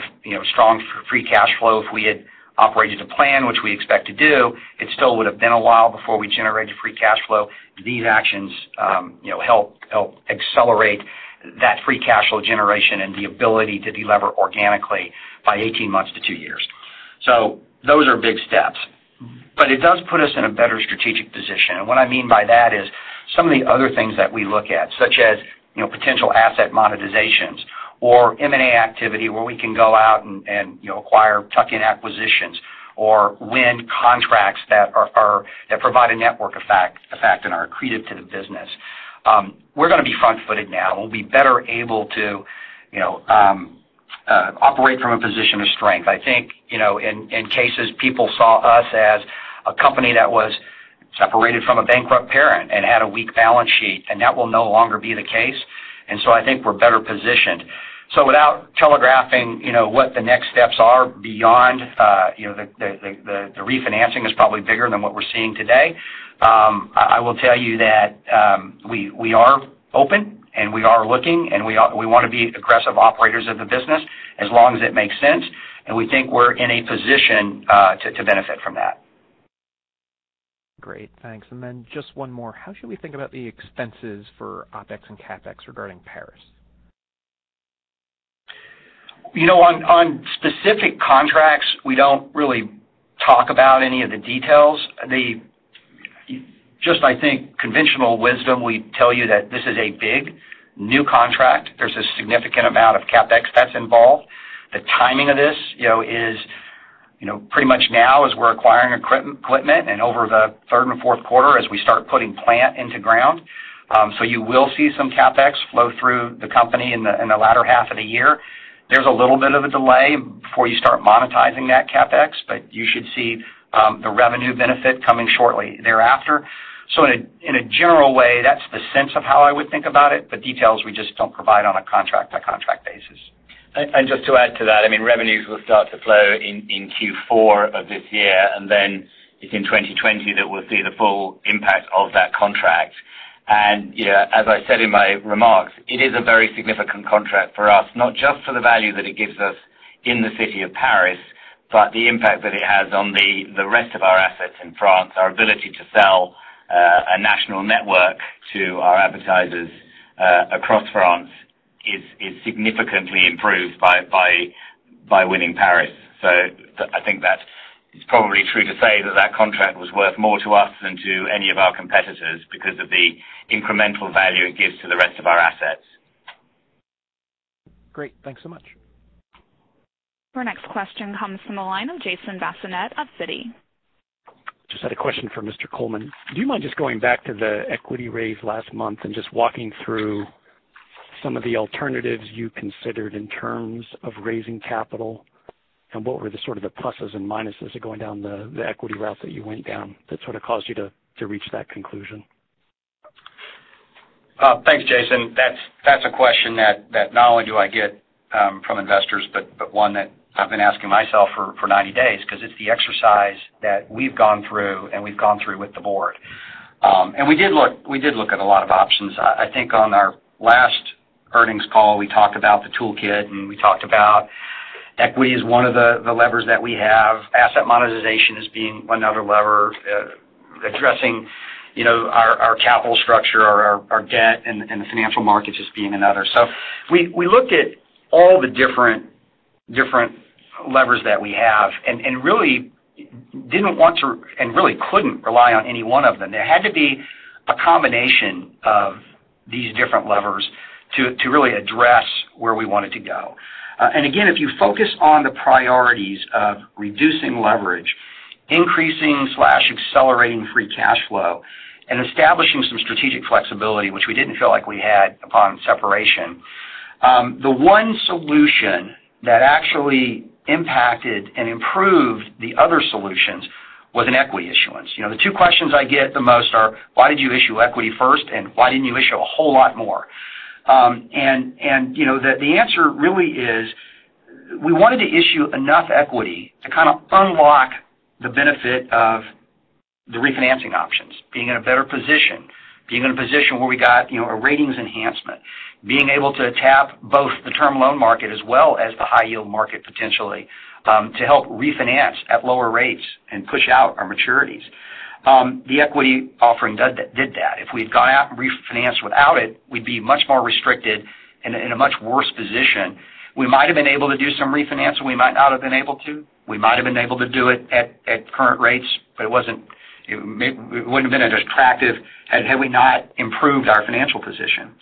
strong free cash flow. If we had operated a plan, which we expect to do, it still would've been a while before we generated free cash flow. These actions help accelerate that free cash flow generation and the ability to de-lever organically by 18 months to two years. Those are big steps. It does put us in a better strategic position. What I mean by that is some of the other things that we look at, such as potential asset monetizations or M&A activity where we can go out and acquire tuck-in acquisitions or win contracts that provide a network effect and are accretive to the business. We're going to be front-footed now, and we'll be better able to operate from a position of strength. I think, in cases, people saw us as a company that was separated from a bankrupt parent and had a weak balance sheet, and that will no longer be the case. I think we're better positioned. Without telegraphing what the next steps are beyond the refinancing is probably bigger than what we're seeing today. I will tell you that we are open and we are looking, and we want to be aggressive operators of the business as long as it makes sense, and we think we're in a position to benefit from that. Great. Thanks. Then just one more. How should we think about the expenses for OpEx and CapEx regarding Paris? On specific contracts, we don't really talk about any of the details. Just I think conventional wisdom, we tell you that this is a big, new contract. There's a significant amount of CapEx that's involved. The timing of this is pretty much now as we're acquiring equipment and over the third and fourth quarter as we start putting plant into ground. You will see some CapEx flow through the company in the latter half of the year. There's a little bit of a delay before you start monetizing that CapEx, but you should see the revenue benefit coming shortly thereafter. In a general way, that's the sense of how I would think about it. The details we just don't provide on a contract-by-contract basis. Just to add to that, revenues will start to flow in Q4 of this year, and then it's in 2020 that we'll see the full impact of that contract. As I said in my remarks, it is a very significant contract for us, not just for the value that it gives us in the city of Paris, but the impact that it has on the rest of our assets in France. Our ability to sell a national network to our advertisers across France is significantly improved by winning Paris. I think that it's probably true to say that that contract was worth more to us than to any of our competitors because of the incremental value it gives to the rest of our assets. Great. Thanks so much. Our next question comes from the line of Jason Bazinet of Citi. Just had a question for Brian Coleman. Do you mind just going back to the equity raise last month and just walking through some of the alternatives you considered in terms of raising capital? What were the sort of the pluses and minuses of going down the equity route that you went down that sort of caused you to reach that conclusion? Thanks, Jason. That's a question that not only do I get from investors, but one that I've been asking myself for 90 days, because it's the exercise that we've gone through and we've gone through with the board. We did look at a lot of options. I think on our last earnings call, we talked about the toolkit, and we talked about equity as one of the levers that we have. Asset monetization as being another lever, addressing our capital structure, our debt, and the financial markets as being another. We looked at all the different levers that we have and really didn't want to, and really couldn't rely on any one of them. There had to be a combination of these different levers to really address where we wanted to go. Again, if you focus on the priorities of reducing leverage, increasing/accelerating free cash flow, and establishing some strategic flexibility, which we didn't feel like we had upon separation. The one solution that actually impacted and improved the other solutions was an equity issuance. The two questions I get the most are, why did you issue equity first, and why didn't you issue a whole lot more? The answer really is, we wanted to issue enough equity to kind of unlock the benefit of the refinancing options, being in a better position, being in a position where we got a ratings enhancement, being able to tap both the Term Loan B market as well as the high yield market potentially, to help refinance at lower rates and push out our maturities. The equity offering did that. If we'd gone out and refinanced without it, we'd be much more restricted and in a much worse position. We might have been able to do some refinancing. We might not have been able to. We might have been able to do it at current rates, but it wouldn't have been as attractive had we not improved our financial position.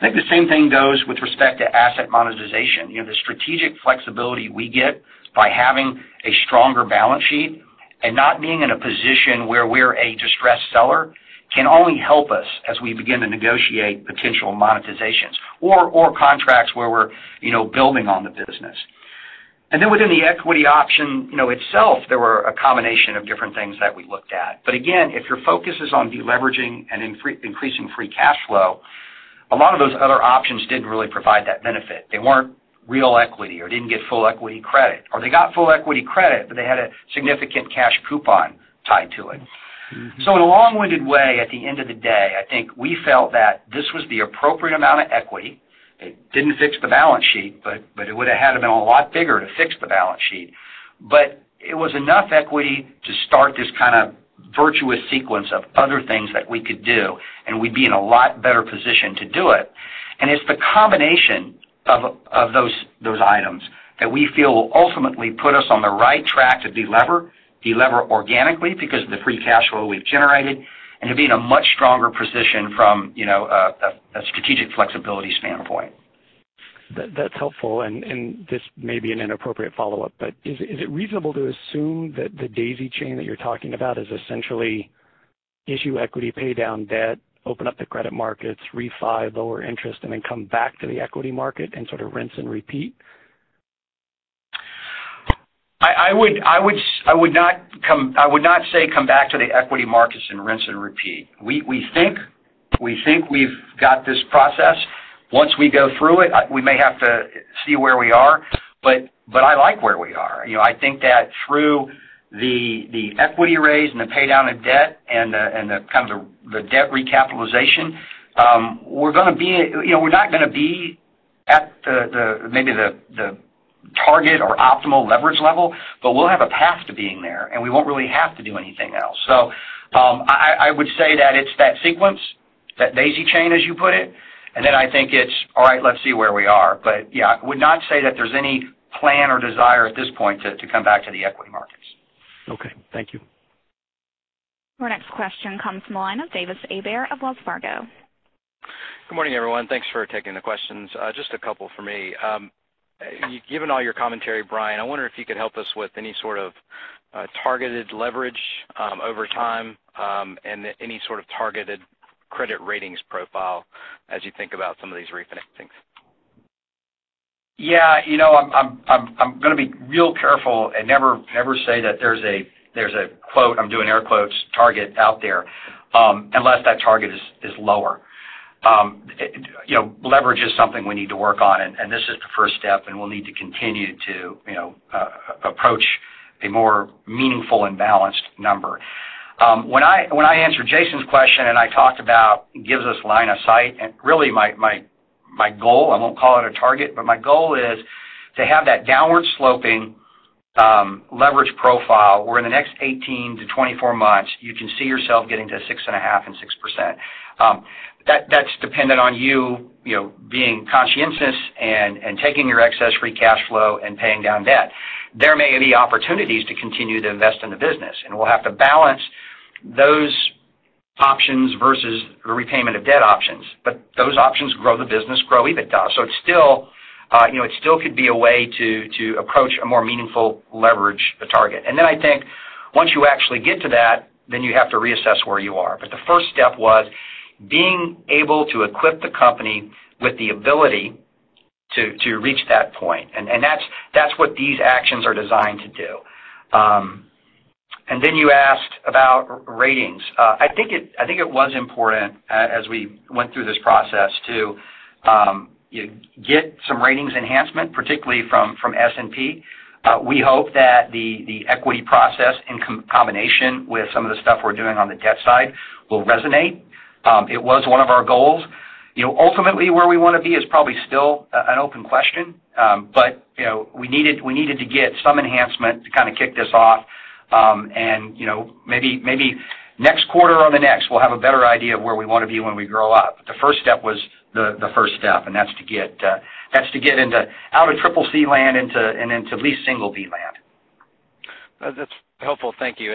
I think the same thing goes with respect to asset monetization. The strategic flexibility we get by having a stronger balance sheet and not being in a position where we're a distressed seller can only help us as we begin to negotiate potential monetizations or contracts where we're building on the business. Within the equity option itself, there were a combination of different things that we looked at. Again, if your focus is on deleveraging and increasing free cash flow, a lot of those other options didn't really provide that benefit. They weren't real equity or didn't get full equity credit, or they got full equity credit, but they had a significant cash coupon tied to it. In a long-winded way, at the end of the day, I think we felt that this was the appropriate amount of equity. It didn't fix the balance sheet, but it would've had to been a lot bigger to fix the balance sheet. It was enough equity to start this kind of virtuous sequence of other things that we could do, and we'd be in a lot better position to do it. It's the combination of those items that we feel will ultimately put us on the right track to delever organically because of the free cash flow we've generated, and to be in a much stronger position from a strategic flexibility standpoint. That's helpful, and this may be an inappropriate follow-up, but is it reasonable to assume that the daisy chain that you're talking about is essentially issue equity, pay down debt, open up the credit markets, refi lower interest, and then come back to the equity market and sort of rinse and repeat? I would not say come back to the equity markets and rinse and repeat. We think we've got this process. Once we go through it, we may have to see where we are, but I like where we are. I think that through the equity raise and the pay down of debt and the kind of the debt recapitalization, we're not going to be at maybe the target or optimal leverage level, but we'll have a path to being there, and we won't really have to do anything else. I would say that it's that sequence, that daisy chain, as you put it, and then I think it's, all right, let's see where we are. Yeah, I would not say that there's any plan or desire at this point to come back to the equity markets. Okay. Thank you. Our next question comes from the line of Davis Hebert of Wells Fargo. Good morning, everyone. Thanks for taking the questions. Just a couple from me. Given all your commentary, Brian, I wonder if you could help us with any sort of targeted leverage over time, and any sort of targeted credit ratings profile as you think about some of these refinancings. Yeah. I'm going to be real careful and never say that there's a quote, I'm doing air quotes, "target out there," unless that target is lower. Leverage is something we need to work on, and this is the first step, and we'll need to continue to approach a more meaningful and balanced number. When I answered Jason's question and I talked about it gives us line of sight, and really my goal, I won't call it a target, but my goal is to have that downward sloping leverage profile where in the next 18 to 24 months, you can see yourself getting to 6.5 and 6%. That's dependent on you being conscientious and taking your excess free cash flow and paying down debt. There may be opportunities to continue to invest in the business, and we'll have to balance those options versus repayment of debt options. Those options grow the business, grow EBITDA. It still could be a way to approach a more meaningful leverage target. I think once you actually get to that, then you have to reassess where you are. The first step was being able to equip the company with the ability to reach that point. That's what these actions are designed to do. You asked about ratings. I think it was important as we went through this process to get some ratings enhancement, particularly from S&P. We hope that the equity process in combination with some of the stuff we're doing on the debt side will resonate. It was one of our goals. Ultimately, where we want to be is probably still an open question. We needed to get some enhancement to kind of kick this off. Maybe next quarter or the next, we'll have a better idea of where we want to be when we grow up. The first step was the first step, and that's to get out of CCC land and into at least B land. That's helpful. Thank you.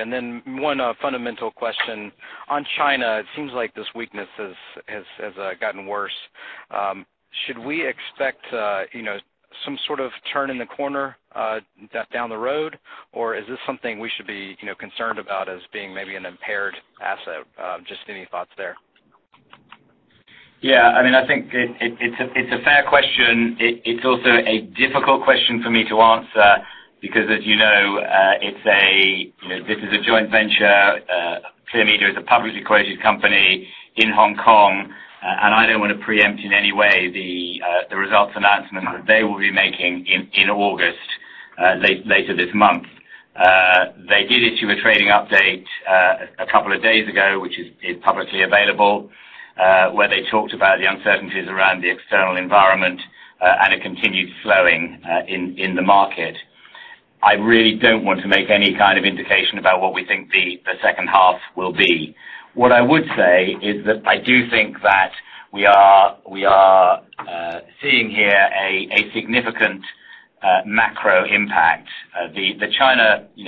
One fundamental question. On China, it seems like this weakness has gotten worse. Should we expect some sort of turn in the corner down the road, or is this something we should be concerned about as being maybe an impaired asset? Just any thoughts there. I think it's a fair question. It's also a difficult question for me to answer because as you know, this is a joint venture. Clear Media is a publicly quoted company in Hong Kong. I don't want to preempt in any way the results announcement that they will be making in August, later this month. They did issue a trading update a couple of days ago, which is publicly available, where they talked about the uncertainties around the external environment, a continued slowing in the market. I really don't want to make any kind of indication about what we think the second half will be. What I would say is that I do think that we are seeing here a significant macro impact.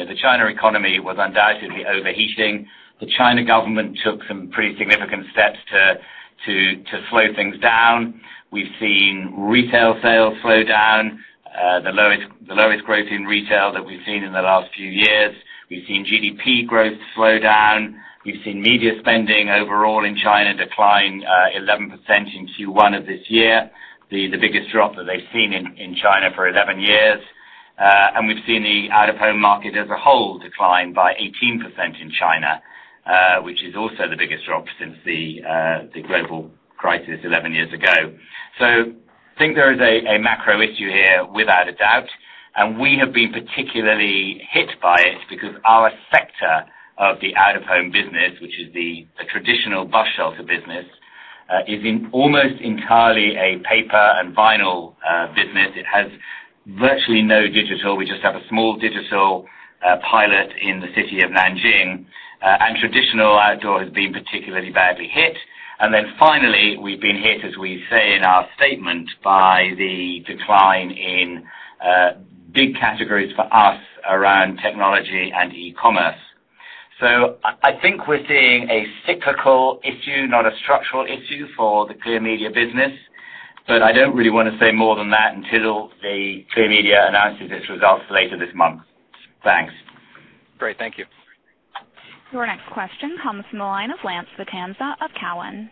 The China economy was undoubtedly overheating. The China government took some pretty significant steps to slow things down. We've seen retail sales slow down, the lowest growth in retail that we've seen in the last few years. We've seen GDP growth slow down. We've seen media spending overall in China decline 11% in Q1 of this year, the biggest drop that they've seen in China for 11 years. We've seen the out-of-home market as a whole decline by 18% in China, which is also the biggest drop since the global crisis 11 years ago. I think there is a macro issue here, without a doubt, and we have been particularly hit by it because our sector of the out-of-home business, which is the traditional bus shelter business, is almost entirely a paper and vinyl business. It has virtually no digital. We just have a small digital pilot in the city of Nanjing, and traditional outdoor has been particularly badly hit. Finally, we've been hit, as we say in our statement, by the decline in big categories for us around technology and e-commerce. I think we're seeing a cyclical issue, not a structural issue for the Clear Channel business. I don't really want to say more than that until Clear Media announces its results later this month. Thanks. Great. Thank you. Your next question comes from the line of Lance Vitanza of Cowen.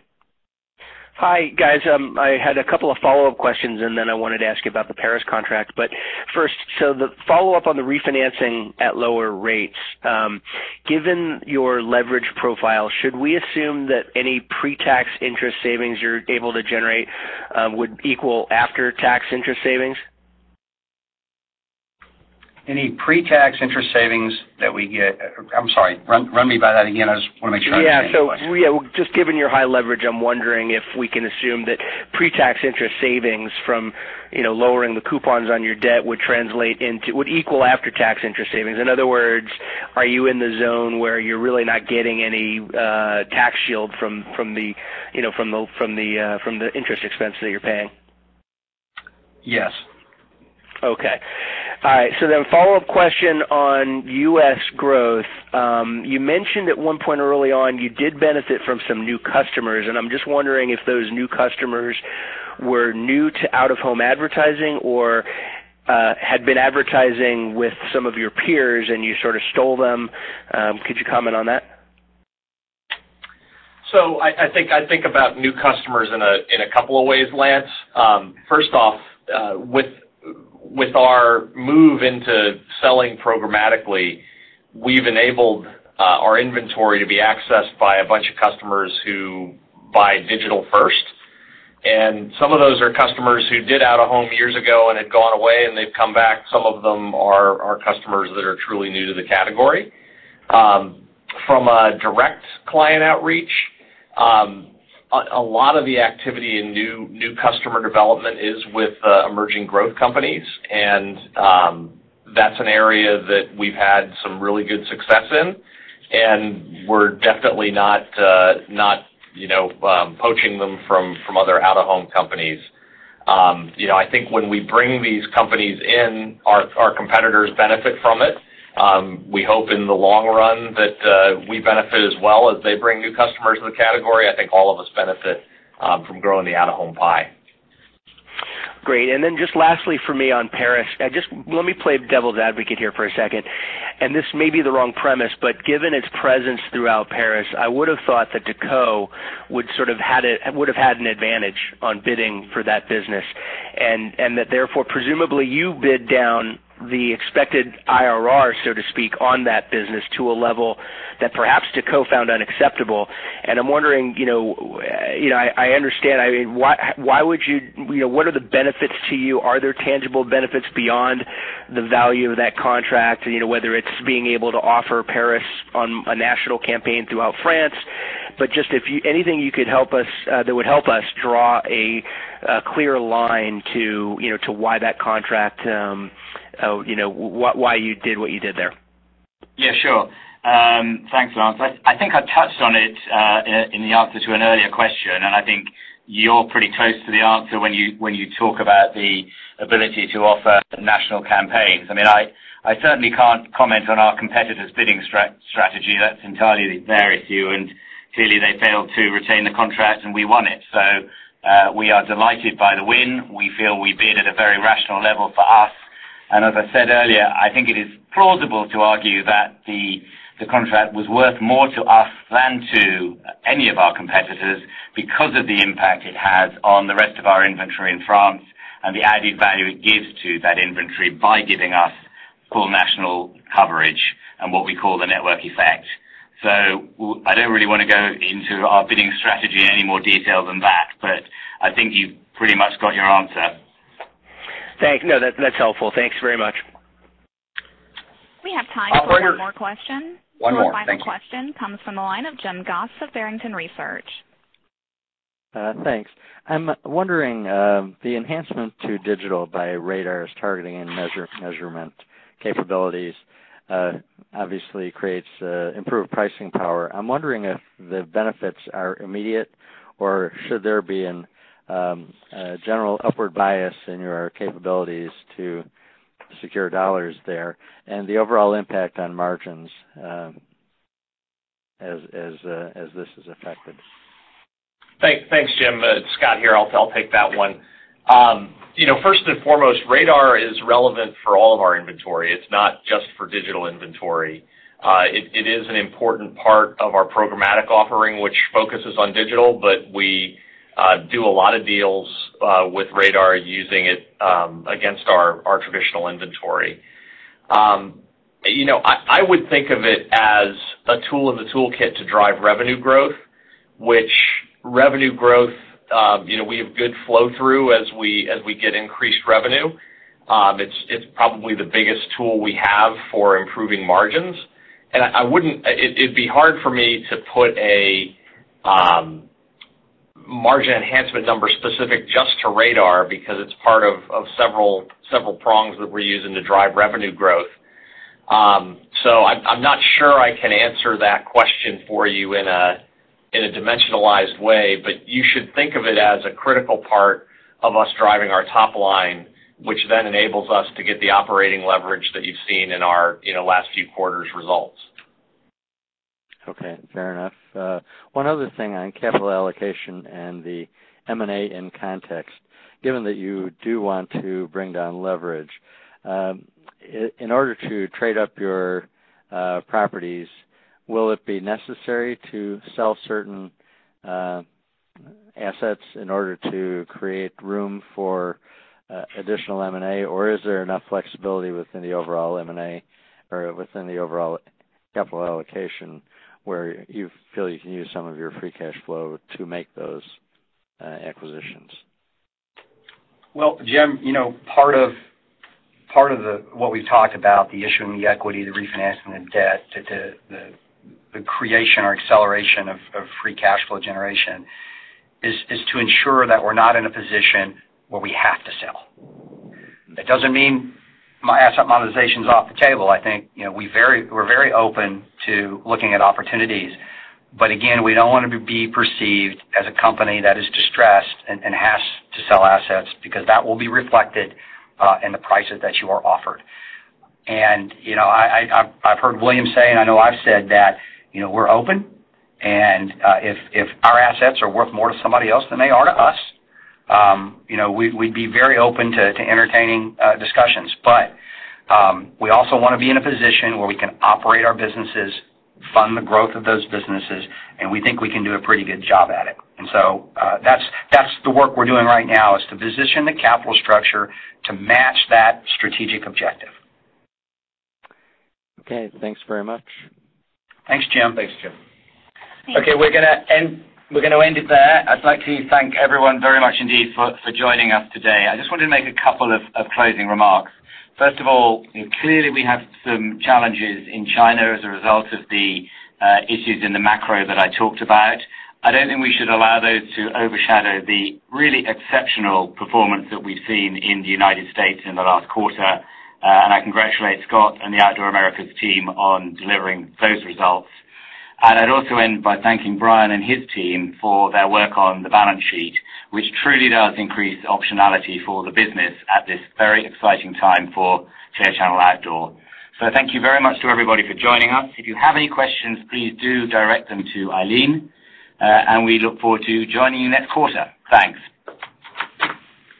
Hi, guys. I had a couple of follow-up questions, and then I wanted to ask you about the Paris contract. First, the follow-up on the refinancing at lower rates. Given your leverage profile, should we assume that any pre-tax interest savings you're able to generate would equal after-tax interest savings? I'm sorry, run me by that again. I just want to make sure I understand the question. Just given your high leverage, I'm wondering if we can assume that pre-tax interest savings from lowering the coupons on your debt would equal after-tax interest savings. In other words, are you in the zone where you're really not getting any tax shield from the interest expense that you're paying? Yes. Okay. All right. Follow-up question on U.S. growth. You mentioned at one point early on you did benefit from some new customers, and I'm just wondering if those new customers were new to out-of-home advertising or had been advertising with some of your peers and you sort of stole them. Could you comment on that? I think about new customers in a couple of ways, Lance. First off, with our move into selling programmatically, we've enabled our inventory to be accessed by a bunch of customers who buy digital first. Some of those are customers who did out-of-home years ago and had gone away, and they've come back. Some of them are customers that are truly new to the category. From a direct client outreach, a lot of the activity in new customer development is with emerging growth companies, and that's an area that we've had some really good success in, and we're definitely not poaching them from other out-of-home companies. I think when we bring these companies in, our competitors benefit from it. We hope in the long run that we benefit as well as they bring new customers to the category. I think all of us benefit from growing the out-of-home pie. Great. Then just lastly for me on Paris, just let me play devil's advocate here for a second, and this may be the wrong premise, but given its presence throughout Paris, I would've thought that Decaux would've had an advantage on bidding for that business, and that therefore, presumably you bid down the expected IRR, so to speak, on that business to a level that perhaps Decaux found unacceptable. I'm wondering, I understand. What are the benefits to you? Are there tangible benefits beyond the value of that contract, whether it's being able to offer Paris on a national campaign throughout France? But just anything that would help us draw a clear line to why you did what you did there. Sure. Thanks, Lance. I think I touched on it, in the answer to an earlier question, and I think you're pretty close to the answer when you talk about the ability to offer national campaigns. I certainly can't comment on our competitors' bidding strategy. That's entirely their issue, and clearly they failed to retain the contract and we won it. We are delighted by the win. We feel we bid at a very rational level for us. As I said earlier, I think it is plausible to argue that the contract was worth more to us than to any of our competitors because of the impact it has on the rest of our inventory in France and the added value it gives to that inventory by giving us full national coverage and what we call the network effect. I don't really want to go into our bidding strategy in any more detail than that, but I think you've pretty much got your answer. Thanks. No, that's helpful. Thanks very much. We have time for one more question. One more. Thank you. The final question comes from the line of Jim Goss of Barrington Research. Thanks. I'm wondering, the enhancement to digital by RADAR's targeting and measurement capabilities, obviously creates improved pricing power. I'm wondering if the benefits are immediate or should there be a general upward bias in your capabilities to secure dollars there and the overall impact on margins as this is affected. Thanks, Jim. Scott here. I'll take that one. First and foremost, RADAR is relevant for all of our inventory. It's not just for digital inventory. It is an important part of our programmatic offering, which focuses on digital, but we do a lot of deals with RADAR using it against our traditional inventory. I would think of it as a tool in the toolkit to drive revenue growth, which revenue growth we have good flow through as we get increased revenue. It's probably the biggest tool we have for improving margins, and it'd be hard for me to put a margin enhancement number specific just to RADAR because it's part of several prongs that we're using to drive revenue growth. I'm not sure I can answer that question for you in a dimensionalized way, but you should think of it as a critical part of us driving our top line, which then enables us to get the operating leverage that you've seen in our last few quarters' results. Okay, fair enough. One other thing on capital allocation and the M&A in context, given that you do want to bring down leverage, in order to trade up your properties, will it be necessary to sell certain assets in order to create room for additional M&A, or is there enough flexibility within the overall M&A or within the overall capital allocation where you feel you can use some of your free cash flow to make those acquisitions? Well, Jim, part of what we've talked about, the issuing the equity, the refinancing the debt, the creation or acceleration of free cash flow generation, is to ensure that we're not in a position where we have to sell. That doesn't mean asset monetization's off the table. I think we're very open to looking at opportunities, but again, we don't want to be perceived as a company that is distressed and has to sell assets because that will be reflected in the prices that you are offered. I've heard William say, and I know I've said that we're open, and if our assets are worth more to somebody else than they are to us, we'd be very open to entertaining discussions. We also want to be in a position where we can operate our businesses, fund the growth of those businesses, and we think we can do a pretty good job at it. That's the work we're doing right now, is to position the capital structure to match that strategic objective. Okay. Thanks very much. Thanks, Jim. Thanks, Jim. Thanks. Okay. We're going to end it there. I'd like to thank everyone very much indeed for joining us today. I just wanted to make a couple of closing remarks. First of all, clearly we have some challenges in China as a result of the issues in the macro that I talked about. I don't think we should allow those to overshadow the really exceptional performance that we've seen in the United States in the last quarter. I congratulate Scott and the Outdoor Americas team on delivering those results. I'd also end by thanking Brian and his team for their work on the balance sheet, which truly does increase optionality for the business at this very exciting time for Clear Channel Outdoor. Thank you very much to everybody for joining us. If you have any questions, please do direct them to Eileen, and we look forward to joining you next quarter. Thanks.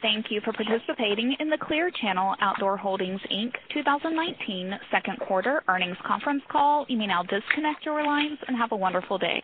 Thank you for participating in the Clear Channel Outdoor Holdings, Inc. 2019 second quarter earnings conference call. You may now disconnect your lines and have a wonderful day.